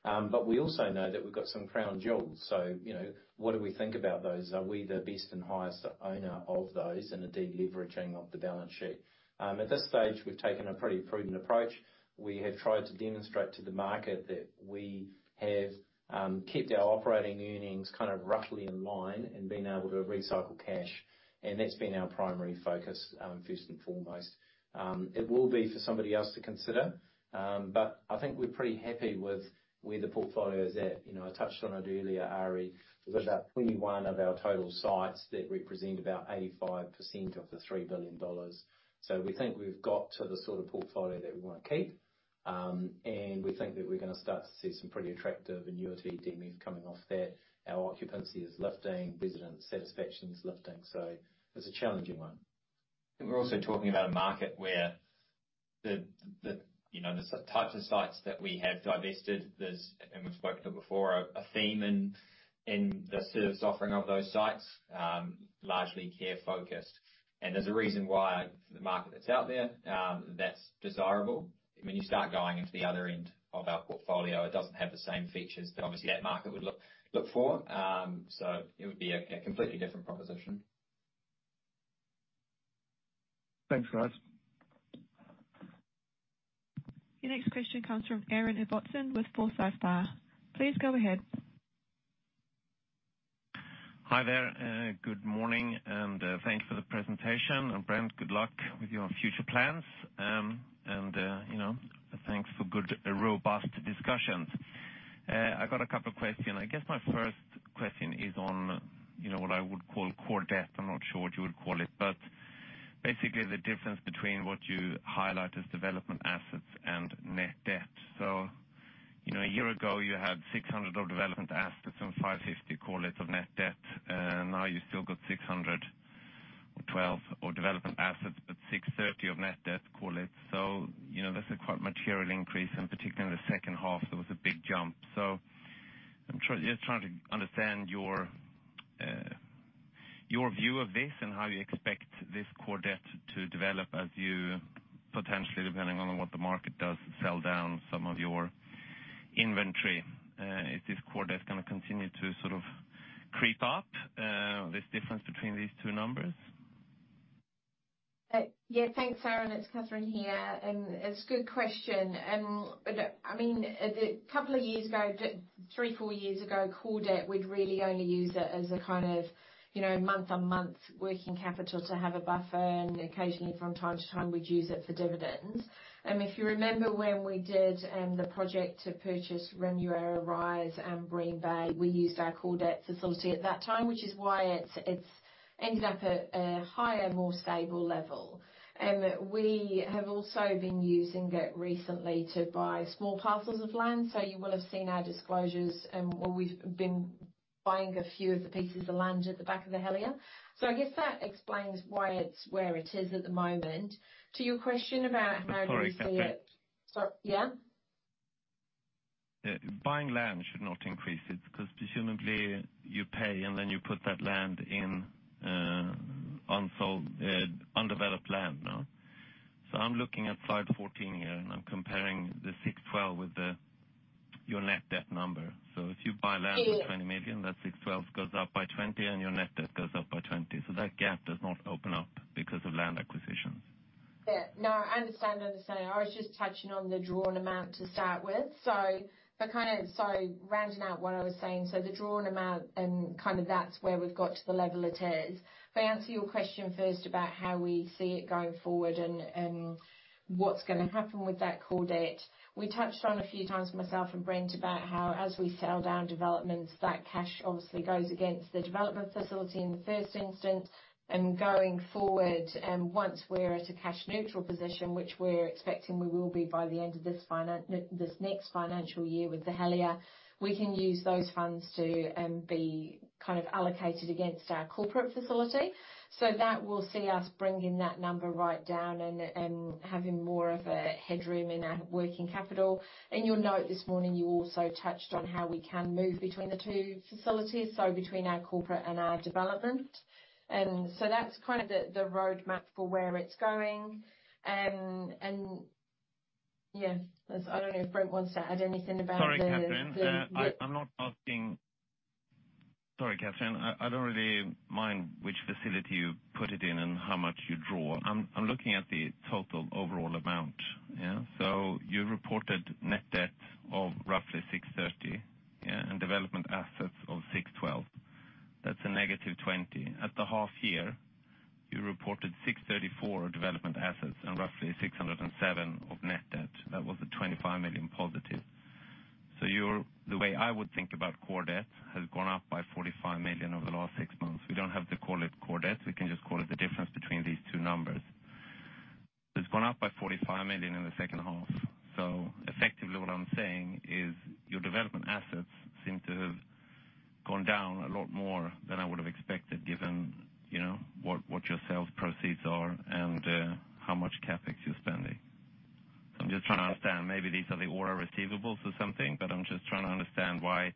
But we also know that we've got some crown jewels, so, you know, what do we think about those? Are we the best and highest owner of those in the de-leveraging of the balance sheet? At this stage, we've taken a pretty prudent approach. We have tried to demonstrate to the market that we have kept our operating earnings kind of roughly in line, and been able to recycle cash, and that's been our primary focus, first and foremost. It will be for somebody else to consider, but I think we're pretty happy with where the portfolio is at. You know, I touched on it earlier, Ari. We've got about 21 of our total sites that represent about 85% of the 3 billion dollars. So we think we've got to the sort of portfolio that we want to keep, and we think that we're gonna start to see some pretty attractive annuity demise coming off that. Our occupancy is lifting, resident satisfaction is lifting, so it's a challenging one. And we're also talking about a market where, you know, the types of sites that we have divested. There's, and we've spoken to it before, a theme in the service offering of those sites, largely care focused. And there's a reason why for the market that's out there, that's desirable. When you start going into the other end of our portfolio, it doesn't have the same features that obviously that market would look for. So it would be a completely different proposition. Thanks, guys. The next question comes from Aaron Ibbotson with Forsyth Barr. Please go ahead. Hi there, good morning, and thanks for the presentation. Brent, good luck with your future plans. You know, thanks for good, robust discussions. I've got a couple of questions. I guess my first question is on, you know, what I would call core debt. I'm not sure what you would call it, but basically the difference between what you highlight as development assets and net debt. So, you know, a year ago, you had 600 of development assets, and 550, call it, of net debt. And now you've still got 612 of development assets, but 630 of net debt, call it. So, you know, that's a quite material increase, and particularly in the second half, there was a big jump. I'm just trying to understand your view of this, and how you expect this core debt to develop as you potentially, depending on what the market does, sell down some of your inventory. Is this core debt gonna continue to sort of creep up, this difference between these two numbers? Yeah, thanks, Aaron. It's Kathryn here, and it's a good question. But, I mean, a couple of years ago, three, four years ago, core debt, we'd really only use it as a kind of, you know, month-on-month working capital to have a buffer, and occasionally, from time to time, we'd use it for dividends. If you remember when we did, the project to purchase Remuera Rise and Green Bay, we used our core debt facility at that time, which is why it's ended up at a higher, more stable level. We have also been using it recently to buy small parcels of land, so you will have seen our disclosures, where we've been buying a few of the pieces of land at the back of the Helier. So I guess that explains why it's where it is at the moment. To your question about how do we see it- Sorry, Catherine. Sorry, yeah? Yeah, buying land should not increase it, because presumably you pay, and then you put that land in, unsold, undeveloped land, no? So I'm looking at slide 14 here, and I'm comparing the 612 with the, your net debt number. So if you buy land for 20 million, that 612 goes up by 20 million, and your net debt goes up by 20 million. So that gap does not open up because of land acquisitions. Yeah. No, I understand, understand. I was just touching on the drawn amount to start with. So but kind of—so rounding out what I was saying, so the drawn amount and kind of that's where we've got to the level it is. If I answer your question first about how we see it going forward and, and what's going to happen with that core debt, we touched on a few times, myself and Brent, about how as we sell down developments, that cash obviously goes against the development facility in the first instance. And going forward, once we're at a cash neutral position, which we're expecting we will be by the end of this next financial year with the Helier, we can use those funds to be kind of allocated against our corporate facility. So that will see us bringing that number right down and having more of a headroom in our working capital. In your note this morning, you also touched on how we can move between the two facilities, so between our corporate and our development. And so that's kind of the roadmap for where it's going. And yeah, I don't know if Brent wants to add anything about the Sorry, Kathryn, I'm not asking... Sorry, Kathryn, I don't really mind which facility you put it in and how much you draw. I'm looking at the total overall amount, yeah? So you reported net debt of roughly 630 million, yeah, and development assets of 612 million. That's a negative 20 million. At the half year, you reported 634 million development assets and roughly 607 million of net debt. That was a 25 million positive. So you're the way I would think about core debt has gone up by 45 million over the last six months. We don't have to call it core debt. We can just call it the difference between these two numbers. It's gone up by 45 million in the second half, so effectively what I'm saying is your development assets seem to have gone down a lot more than I would have expected, given, you know, what your sales proceeds are and how much CapEx you're spending. I'm just trying to understand, maybe these are the order receivables or something, but I'm just trying to understand why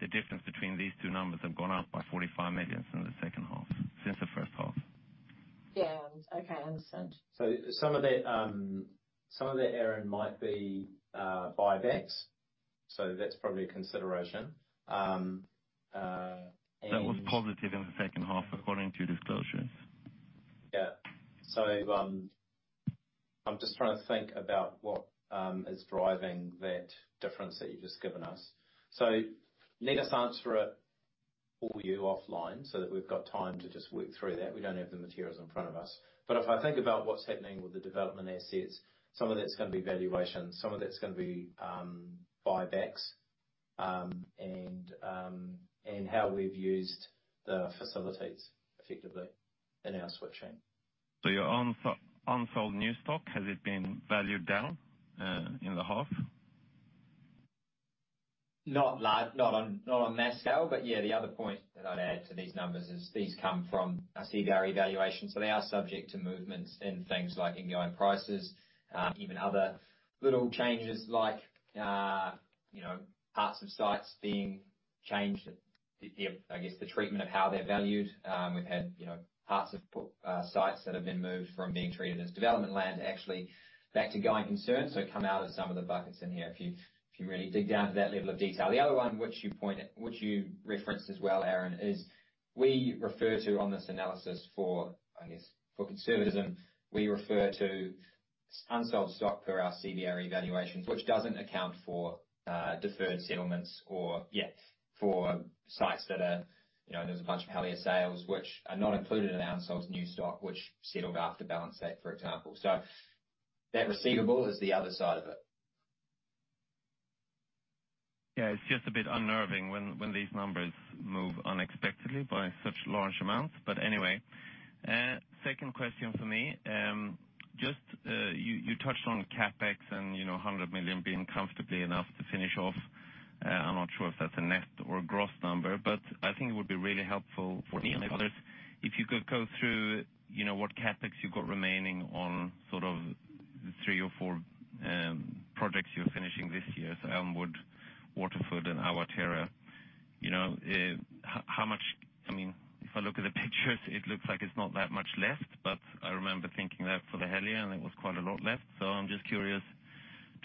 the difference between these two numbers have gone up by 45 million since the second half, since the first half. Yeah. Okay, I understand. So some of the error might be buybacks, so that's probably a consideration. And- That was positive in the second half, according to disclosures. Yeah. So, I'm just trying to think about what is driving that difference that you've just given us. So let us answer it for you offline so that we've got time to just work through that. We don't have the materials in front of us. But if I think about what's happening with the development assets, some of that's going to be valuation, some of that's going to be buybacks, and how we've used the facilities effectively in our switching. Your unsold new stock, has it been valued down in the half? Not large, not on mass scale, but yeah, the other point that I'd add to these numbers is these come from our CBRE evaluation. So they are subject to movements in things like ingoing prices, even other little changes like, you know, parts of sites being changed. The, I guess, the treatment of how they're valued. We've had, you know, parts of sites that have been moved from being treated as development land actually back to going concern, so come out of some of the buckets in here, if you really dig down to that level of detail. The other one, which you pointed, which you referenced as well, Aaron, is we refer to on this analysis for, I guess, for conservatism, we refer to unsold stock per our CBRE valuations, which doesn't account for, deferred settlements or, for sites that are, you know, there's a bunch of Helier sales which are not included in our unsold new stock, which settled after the balance date, for example. So that receivable is the other side of it. Yeah, it's just a bit unnerving when, when these numbers move unexpectedly by such large amounts. But anyway, second question for me, just, you touched on CapEx and, you know, 100 million being comfortably enough to finish off. I'm not sure if that's a net or a gross number, but I think it would be really helpful for me and others if you could go through, you know, what CapEx you've got remaining on sort of the three or four projects you're finishing this year, so Elmwood, Waterford and Awatere. You know, how much—I mean, if I look at the pictures, it looks like it's not that much left, but I remember thinking that for The Helier, and it was quite a lot left. So I'm just curious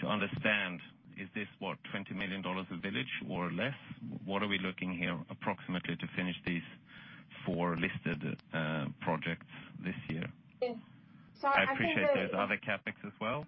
to understand, is this, what, 20 million dollars a village or less? What are we looking here approximately to finish these four listed projects this year? Yes. So I think I appreciate there's other CapEx as well.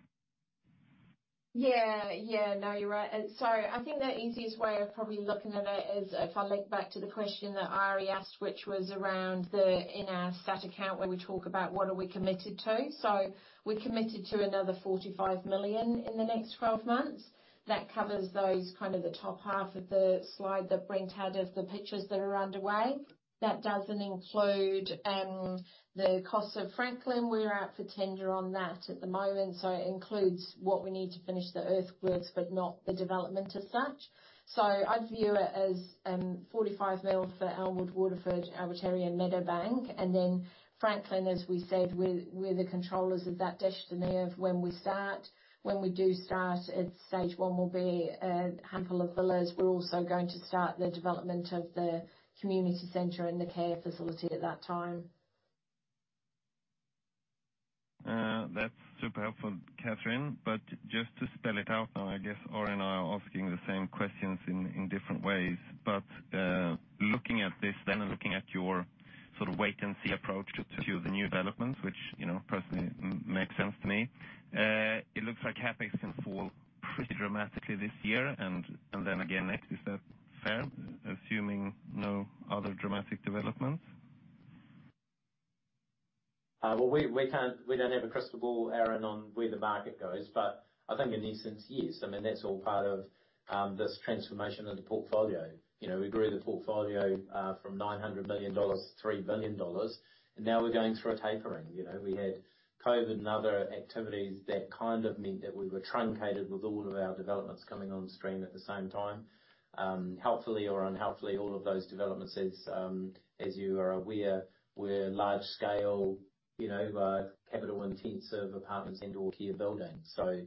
Yeah, yeah. No, you're right. And so I think the easiest way of probably looking at it is if I link back to the question that Arie asked, which was around the, in our stat account, where we talk about what are we committed to. So we're committed to another 45 million in the next 12 months. That covers those, kind of the top half of the slide that Brent had of the pictures that are underway. That doesn't include the cost of Franklin. We're out for tender on that at the moment, so it includes what we need to finish the earthworks, but not the development as such. So I'd view it as 45 million for Elmwood, Waterford, Awatere and Meadowbank. And then Franklin, as we said, we're the controllers of that destiny of when we start. When we do start, it's stage one will be a handful of villas. We're also going to start the development of the community center and the care facility at that time.... That's super helpful, Kathryn, but just to spell it out, I guess Oren and I are asking the same questions in different ways. But looking at this then, and looking at your sort of wait-and-see approach to the new developments, which, you know, personally makes sense to me, it looks like CapEx can fall pretty dramatically this year and then again next. Is that fair, assuming no other dramatic developments? Well, we can't. We don't have a crystal ball, Aaron, on where the market goes, but I think in essence, yes. I mean, that's all part of this transformation of the portfolio. You know, we grew the portfolio from 900 million dollars to 3 billion dollars, and now we're going through a tapering. You know, we had COVID and other activities that kind of meant that we were truncated with all of our developments coming on stream at the same time. Helpfully or unhelpfully, all of those developments as you are aware, were large scale, you know, capital-intensive apartments and/or care buildings. So,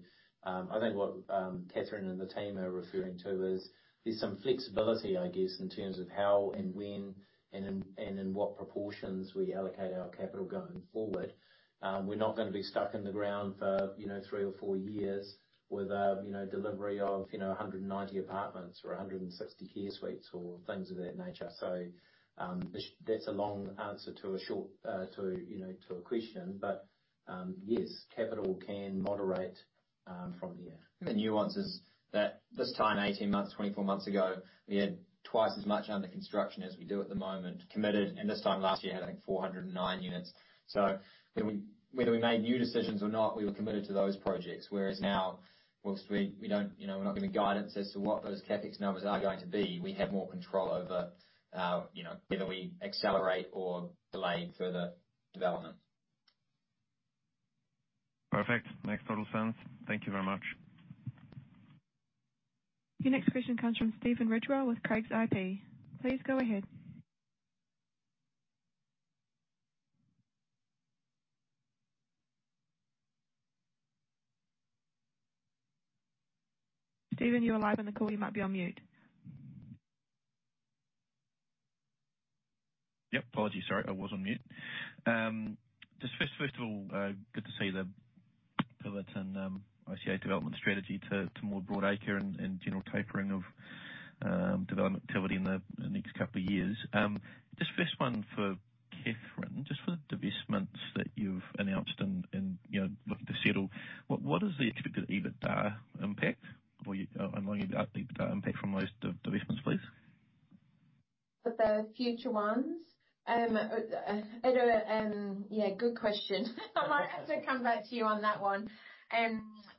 I think what Kathryn and the team are referring to is there's some flexibility, I guess, in terms of how and when, and in, and in what proportions we allocate our capital going forward. We're not going to be stuck in the ground for, you know, 3 or 4 years with a, you know, delivery of, you know, 190 apartments or 160 care suites or things of that nature. So, that's a long answer to a short question. But, yes, capital can moderate from here. The nuance is that this time 18 months, 24 months ago, we had twice as much under construction as we do at the moment committed, and this time last year had, I think, 409 units. So when we-whether we made new decisions or not, we were committed to those projects, whereas now, while we, we don't, you know, we're not giving guidance as to what those CapEx numbers are going to be, we have more control over, you know, whether we accelerate or delay further development. Perfect. Makes total sense. Thank you very much. Your next question comes from Stephen Ridgewell with Craigs IP. Please go ahead. Stephen, you are live on the call, you might be on mute. Yep, apologies. Sorry, I was on mute. Just first of all, good to see the pivot in ICA development strategy to more broad acre and general tapering of development activity in the next couple of years. Just first one for Kathryn. Just for the divestments that you've announced and, you know, looking to settle, what is the expected EBITDA impact, or I'm wondering about the EBITDA impact from those divestments, please? For the future ones? I know, yeah, good question. I might have to come back to you on that one.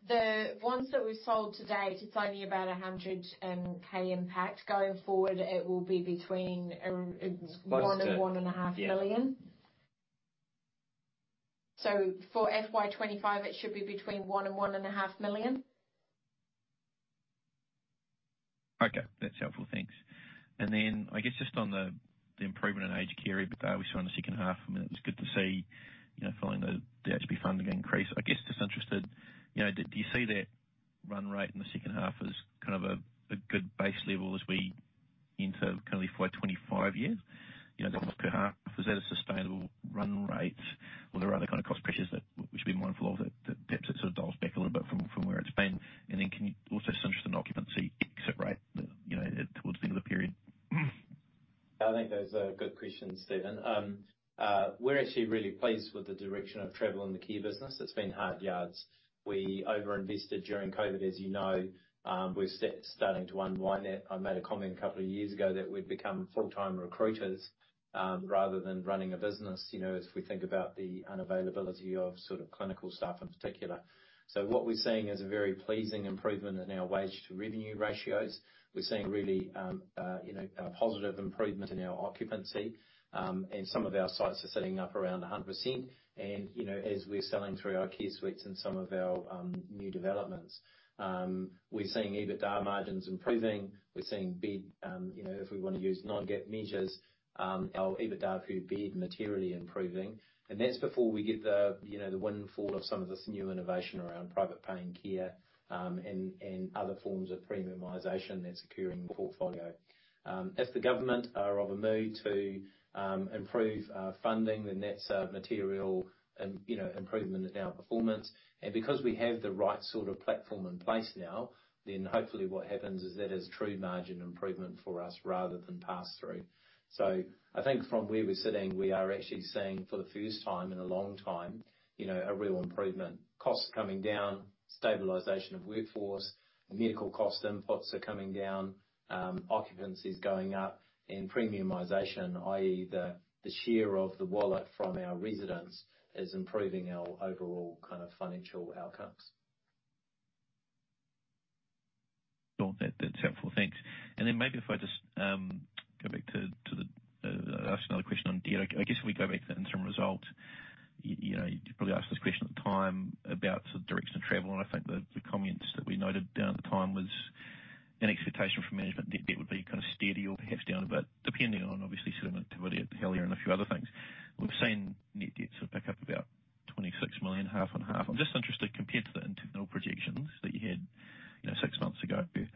The ones that we've sold to date, it's only about 100,000 impact. Going forward, it will be between 1 million and NZD 1.5 million. Yeah. For FY25, it should be between 1 million and NZD 1.5 million. Okay. That's helpful, thanks. And then I guess just on the, the improvement in aged care EBITDA we saw in the second half, I mean, it was good to see, you know, following the, the HNZ funding increase. I guess, just interested, you know, do you see that run rate in the second half as kind of a, a good base level as we enter kind of the FY 25 year? You know, that per half, is that a sustainable run rate, or are there other kind of cost pressures that we should be mindful of, that, that perhaps it sort of dials back a little bit from, from where it's been? And then can you also just interested in occupancy exit rate, you know, towards the end of the period? I think those are good questions, Stephen. We're actually really pleased with the direction of travel in the care business. It's been hard yards. We over-invested during COVID, as you know. We're starting to unwind that. I made a comment a couple of years ago that we'd become full-time recruiters, rather than running a business, you know, as we think about the unavailability of sort of clinical staff in particular. So what we're seeing is a very pleasing improvement in our wage-to-revenue ratios. We're seeing really, you know, a positive improvement in our occupancy, and some of our sites are sitting up around 100%. And, you know, as we're selling through our care suites and some of our new developments, we're seeing EBITDA margins improving. We're seeing bed, you know, if we want to use non-GAAP measures, our EBITDA per bed materially improving. And that's before we get the, you know, the windfall of some of this new innovation around private paying care, and, and other forms of premiumization that's occurring in the portfolio. If the government are of a mood to improve funding, then that's a material, you know, improvement in our performance. And because we have the right sort of platform in place now, then hopefully what happens is that is true margin improvement for us, rather than pass through. So I think from where we're sitting, we are actually seeing, for the first time in a long time, you know, a real improvement. Costs coming down, stabilization of workforce, medical cost inputs are coming down, occupancy is going up, and premiumization, i.e., the share of the wallet from our residents, is improving our overall kind of financial outcomes. Cool. That's helpful. Thanks. Then maybe if I just go back to ask another question on debt. I guess if we go back to the interim result, you know, you probably asked this question at the time about the direction of travel, and I think the comments that we noted down at the time was an expectation from management that debt would be kind of steady or perhaps down a bit, depending on obviously settlement activity at Helier and a few other things. We've seen net debt sort of back up about 26 million, half on half. I'm just interested, compared to the internal projections that you had, you know, six months ago, where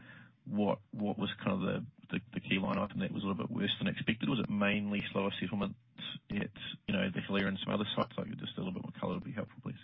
what was kind of the key line item that was a little bit worse than expected? Was it mainly slower settlements at, you know, the Helier and some other sites? Like, just a little bit more color would be helpful, please.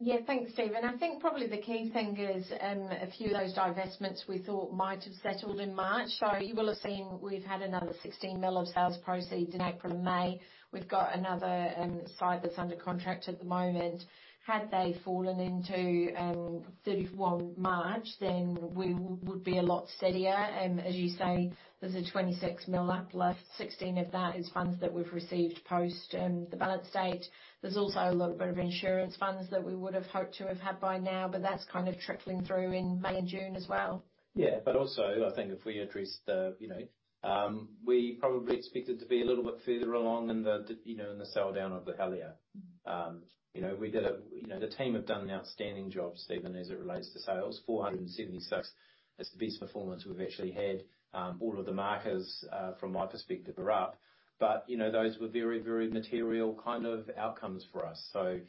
Yeah, thanks, Stephen. I think probably the key thing is, a few of those divestments we thought might have settled in March. So you will have seen we've had another 16 million of sales proceeds in April and May. We've got another, site that's under contract at the moment. Had they fallen into, 31 March, then we would be a lot steadier. As you say, there's a 26 million uplift. Sixteen of that is funds that we've received post, the balance date. There's also a little bit of insurance funds that we would have hoped to have had by now, but that's kind of trickling through in May and June as well. Yeah, but also, I think if we address the, you know, we probably expected to be a little bit further along in the, you know, in the sell down of The Helier. You know, the team have done an outstanding job, Stephen, as it relates to sales. 476, it's the best performance we've actually had. All of the markers from my perspective are up. But, you know, those were very, very material kind of outcomes for us. So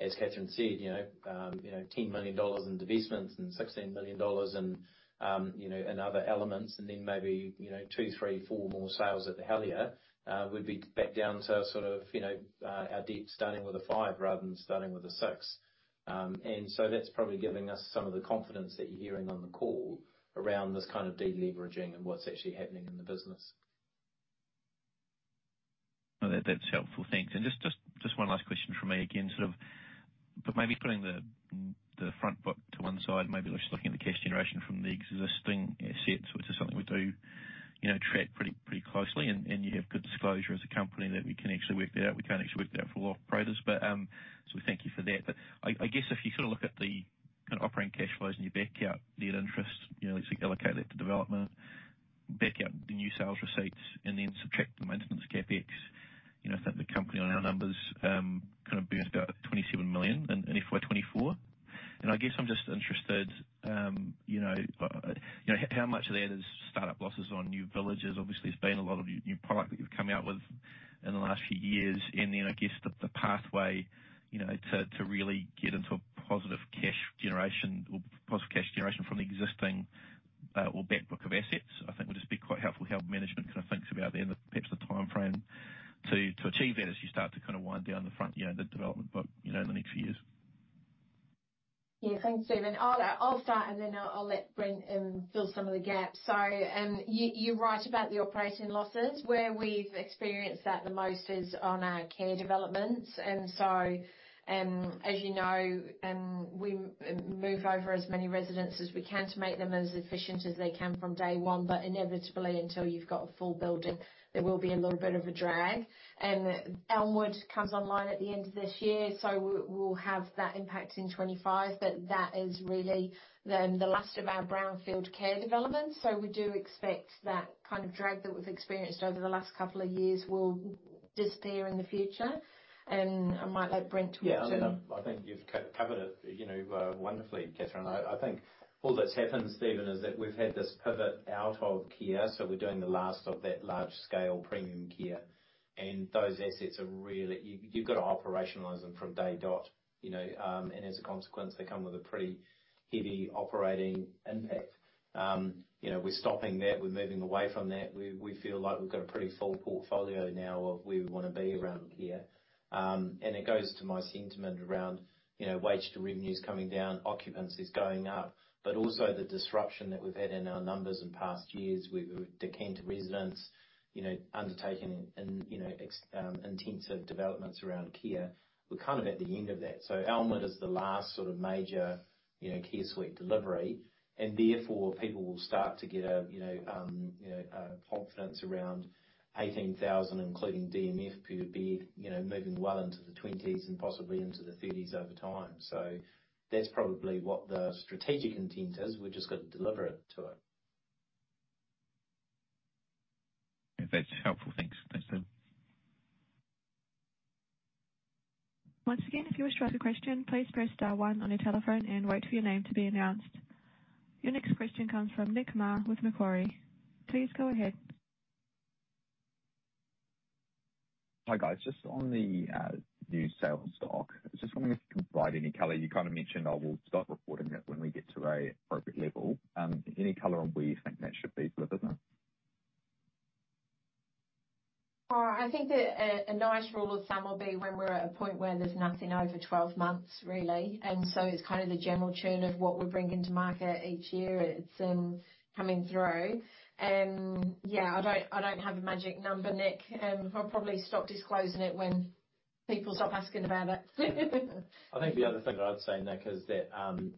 as Kathryn said, you know, you know, 10 million dollars in divestments and 16 million dollars in other elements, and then maybe, you know, 2, 3, 4 more sales at The Helier, we'd be back down to sort of, you know, our debt starting with a five rather than starting with a six. And so that's probably giving us some of the confidence that you're hearing on the call around this kind of de-leveraging and what's actually happening in the business. No, that, that's helpful. Thanks. And just, just, just one last question from me, again, sort of... But maybe putting the, the front book to one side, maybe just looking at the cash generation from the existing assets, which is something we do, you know, track pretty, pretty closely, and, and you have good disclosure as a company that we can actually work that out. We can't actually work that out for a lot of operators, but, so we thank you for that. But I, I guess if you sort of look at the kind of operating cash flows and you back out the interest, you know, allocate that to development, back out the new sales receipts, and then subtract the maintenance CapEx, you know, I think the company on our numbers, kind of burned about 27 million in, in FY 2024. I guess I'm just interested, you know, how much of that is start-up losses on new villages? Obviously, there's been a lot of new product that you've come out with in the last few years. And then I guess the pathway, you know, to really get into a positive cash generation or positive cash generation from the existing, or back book of assets, I think would just be quite helpful, how management kind of thinks about that and perhaps the timeframe to achieve that as you start to kind of wind down the front, you know, the development book, you know, in the next few years. Yeah. Thanks, Stephen. I'll start, and then I'll let Brent fill some of the gaps. So, you're right about the operating losses. Where we've experienced that the most is on our care developments. And so, as you know, we move over as many residents as we can to make them as efficient as they can from day one. But inevitably, until you've got a full building, there will be a little bit of a drag. And Elmwood comes online at the end of this year, so we'll have that impact in 2025. But that is really then the last of our brownfield care developments, so we do expect that kind of drag that we've experienced over the last couple of years will disappear in the future. And I might let Brent talk, too. Yeah, I think you've covered it, you know, wonderfully, Kathryn. I think all that's happened, Stephen, is that we've had this pivot out of care, so we're doing the last of that large-scale premium care. And those assets are really... You've got to operationalize them from day dot, you know, and as a consequence, they come with a pretty heavy operating impact. You know, we're stopping that. We're moving away from that. We feel like we've got a pretty full portfolio now of where we want to be around care. And it goes to my sentiment around, you know, wage to revenues coming down, occupancy is going up, but also the disruption that we've had in our numbers in past years with decant residents, you know, undertaking intensive developments around care. We're kind of at the end of that. So Elmwood is the last sort of major, you know, care suite delivery, and therefore, people will start to get a, you know, you know, confidence around 18,000, including DMF, could be, you know, moving well into the 20s and possibly into the 30s over time. So that's probably what the strategic intent is. We've just got to deliver it to it. That's helpful. Thanks. Thanks, Stephen. Once again, if you wish to ask a question, please press star one on your telephone and wait for your name to be announced. Your next question comes from Nick Mar with Macquarie. Please go ahead. Hi, guys. Just on the new sales stock, I was just wondering if you can provide any color? You kind of mentioned we'll start reporting it when we get to an appropriate level. Any color on where you think that should be for the business? I think that a nice rule of thumb will be when we're at a point where there's nothing over 12 months, really. So it's kind of the general churn of what we're bringing to market each year, it's coming through. Yeah, I don't have a magic number, Nick. I'll probably stop disclosing it when people stop asking about it. I think the other thing that I'd say, Nick, is that,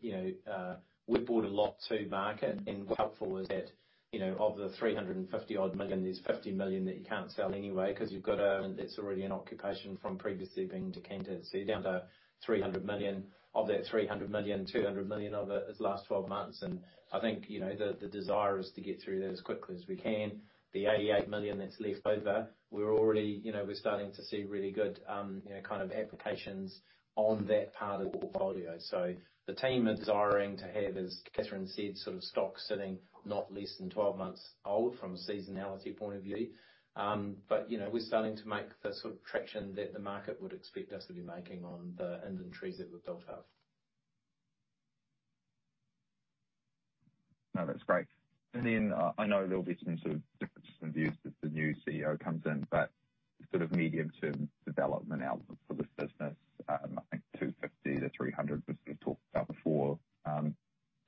you know, we've brought a lot to market, and what's helpful is that, you know, of the 350-odd million, there's 50 million that you can't sell anyway, because you've got a- it's already in occupation from previously being decanted. So you're down to 300 million. Of that NZ 300 million, 200 million of it is the last 12 months, and I think, you know, the, the desire is to get through that as quickly as we can. The 88 million that's left over, we're already- you know, we're starting to see really good, you know, kind of applications on that part of the portfolio. So the team are desiring to have, as Kathryn said, sort of stock sitting not less than 12 months old from a seasonality point of view. But you know, we're starting to make the sort of traction that the market would expect us to be making on the inventories that we've built up.... No, that's great. And then, I know there'll be some sort of different views as the new CEO comes in, but sort of medium-term development outlook for this business, I think 250 to 300 was sort of talked about before.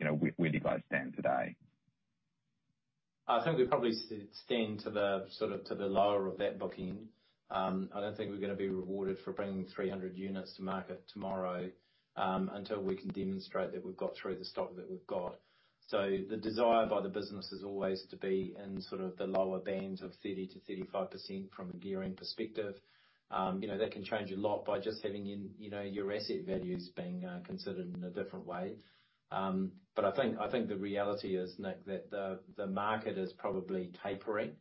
You know, where do you guys stand today? I think we probably stand to the, sort of, to the lower of that booking. I don't think we're gonna be rewarded for bringing 300 units to market tomorrow, until we can demonstrate that we've got through the stock that we've got. So the desire by the business is always to be in sort of the lower bands of 30%-35% from a gearing perspective. You know, that can change a lot by just having in, you know, your asset values being considered in a different way. But I think, I think the reality is, Nick, that the market is probably tapering.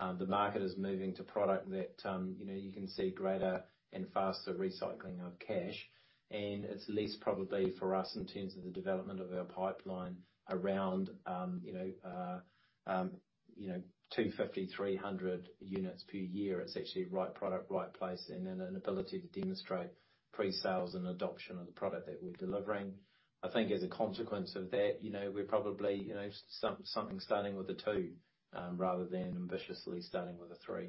The market is moving to product that, you know, you can see greater and faster recycling of cash, and it's less probably for us in terms of the development of our pipeline around, you know, 250-300 units per year. It's actually right product, right place, and then an ability to demonstrate pre-sales and adoption of the product that we're delivering. I think as a consequence of that, you know, we're probably, you know, something starting with a two, rather than ambitiously starting with a three.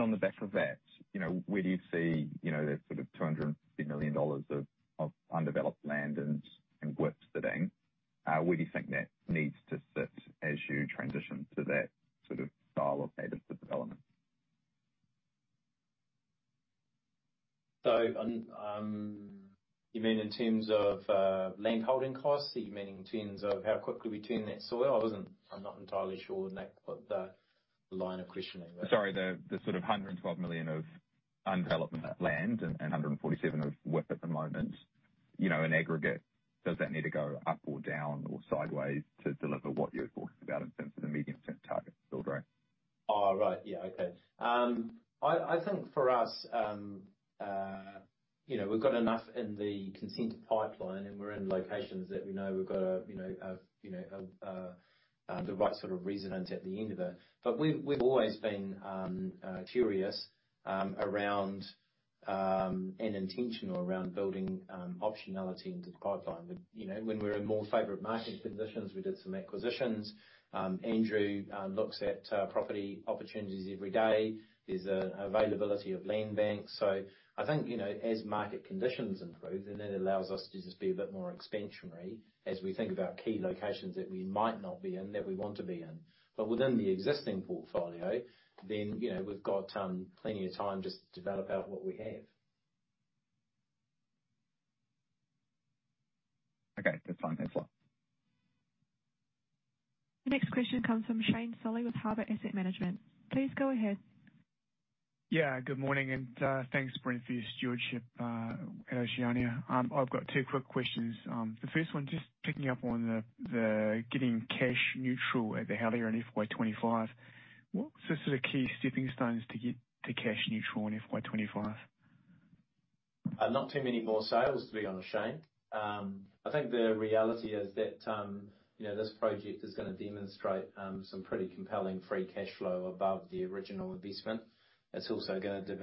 On the back of that, you know, where do you see, you know, that sort of 250 million dollars of undeveloped land and WIP sitting? Where do you think that needs to sit as you transition to that sort of style of native development? So, you mean in terms of landholding costs? You mean in terms of how quickly we turn that soil? I'm not entirely sure, Nick, what the line of questioning was. Sorry, the sort of 112 million of undeveloped land and 147 million of WIP at the moment, you know, in aggregate, does that need to go up or down, or sideways to deliver what you're talking about in terms of the medium-term target build rate? Oh, right. Yeah. Okay. I think for us, you know, we've got enough in the consent pipeline, and we're in locations that we know we've got a you know the right sort of resident at the end of it. But we've always been curious around and intentional around building optionality into the pipeline. You know, when we're in more favorable market positions, we did some acquisitions. Andrew looks at property opportunities every day. There's availability of land banks. So I think, you know, as market conditions improve, then that allows us to just be a bit more expansionary as we think about key locations that we might not be in, that we want to be in. But within the existing portfolio, then, you know, we've got plenty of time just to develop out what we have. Okay. That's fine. Thanks a lot. The next question comes from Shane Solly with Harbour Asset Management. Please go ahead. Yeah, good morning, and thanks, Brent, for your stewardship at Oceania. I've got two quick questions. The first one, just picking up on the getting cash neutral at the Helier in FY 2025. What's the sort of key stepping stones to get to cash neutral in FY 2025? Not too many more sales, to be honest, Shane. I think the reality is that, you know, this project is gonna demonstrate some pretty compelling free cash flow above the original investment. It's also gonna give,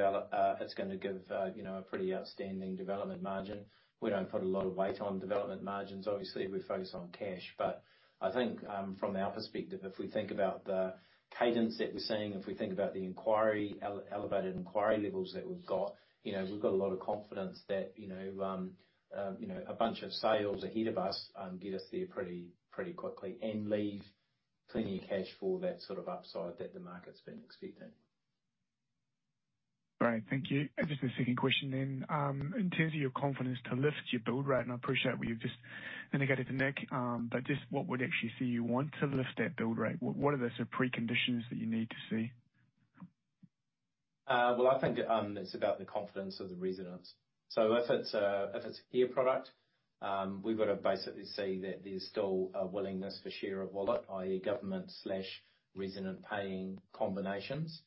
you know, a pretty outstanding development margin. We don't put a lot of weight on development margins. Obviously, we focus on cash. But I think, from our perspective, if we think about the cadence that we're seeing, if we think about the elevated inquiry levels that we've got, you know, we've got a lot of confidence that, you know, a bunch of sales ahead of us get us there pretty, pretty quickly and leave plenty of cash for that sort of upside that the market's been expecting. Great. Thank you. And just a second question then. In terms of your confidence to lift your build rate, and I appreciate what you've just indicated to Nick, but just what would actually see you want to lift that build rate? What, what are the sort of preconditions that you need to see? Well, I think it's about the confidence of the residents. So if it's a care product, we've got to basically see that there's still a willingness for share of wallet, i.e., government slash resident paying combinations.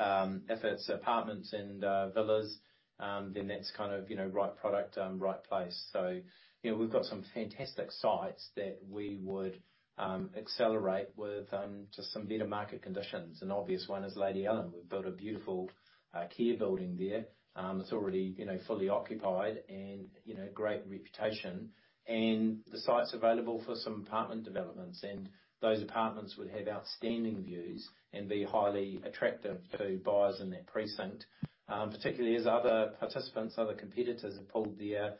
If it's apartments and villas, then that's kind of, you know, right product, right place. So, you know, we've got some fantastic sites that we would accelerate with just some better market conditions. An obvious one is Lady Allum. We've built a beautiful care building there. It's already, you know, fully occupied and, you know, great reputation. And the site's available for some apartment developments, and those apartments would have outstanding views and be highly attractive to buyers in that precinct. Particularly as other participants, other competitors, have pulled their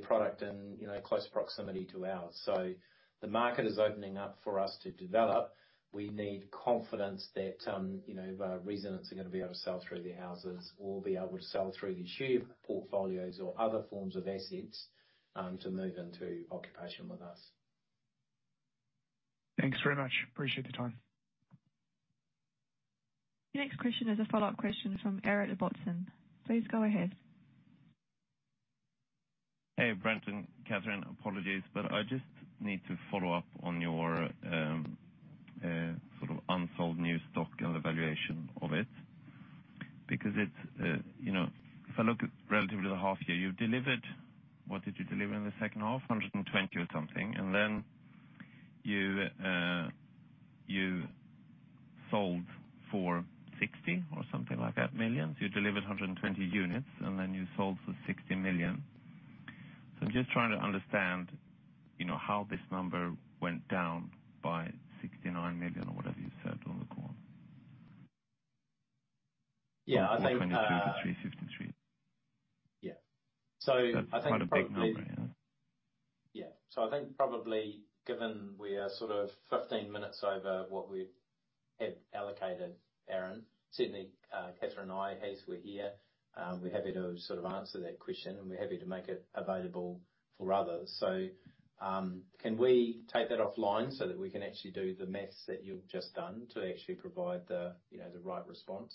product in, you know, close proximity to ours. So the market is opening up for us to develop. We need confidence that residents are gonna be able to sell through their houses or be able to sell through the share portfolios or other forms of assets to move into occupation with us. Thanks very much. Appreciate the time. The next question is a follow-up question from Aaron Ibbotson. Please go ahead. Hey, Brent and Kathryn, apologies, but I just need to follow up on your, sort of unsold new stock and the valuation of it. Because it's, you know, if I look relatively to the half year, you've delivered... What did you deliver in the second half? 120 or something, and then you, you sold for 60 million or something like that? You delivered 120 units, and then you sold for 60 million. So I'm just trying to understand, you know, how this number went down by 69 million or whatever you said on the call. Yeah, I think, 423-353. Yeah. So I think probably- That's quite a big number, yeah? Yeah. So I think probably given we are sort of 15 minutes over what we had allocated, Aaron, certainly, Kathryn and I, Heath, we're here, we're happy to sort of answer that question, and we're happy to make it available for others. So, can we take that offline so that we can actually do the math that you've just done to actually provide the, you know, the right response?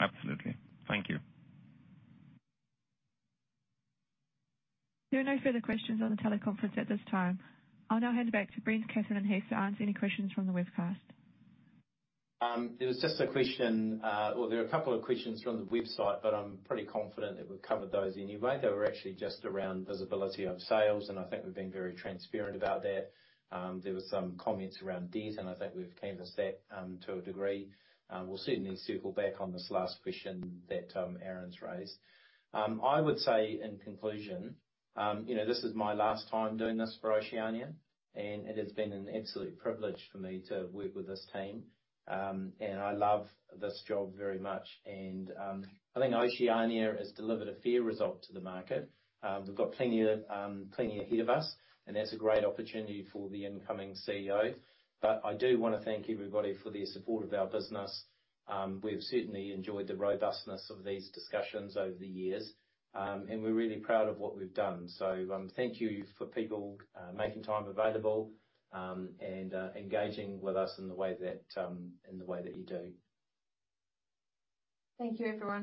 Absolutely. Thank you. There are no further questions on the teleconference at this time. I'll now hand it back to Brent, Kathryn, and Heath to answer any questions from the webcast. There was just a question, or there are a couple of questions from the website, but I'm pretty confident that we've covered those anyway. They were actually just around visibility of sales, and I think we've been very transparent about that. There were some comments around debt, and I think we've canvassed that, to a degree. We'll certainly circle back on this last question that Aaron's raised. I would say, in conclusion, you know, this is my last time doing this for Oceania, and it has been an absolute privilege for me to work with this team. And I love this job very much. And I think Oceania has delivered a fair result to the market. We've got plenty ahead of us, and that's a great opportunity for the incoming CEO. But I do want to thank everybody for their support of our business. We've certainly enjoyed the robustness of these discussions over the years, and we're really proud of what we've done. So, thank you for people making time available, and engaging with us in the way that you do. Thank you, everyone.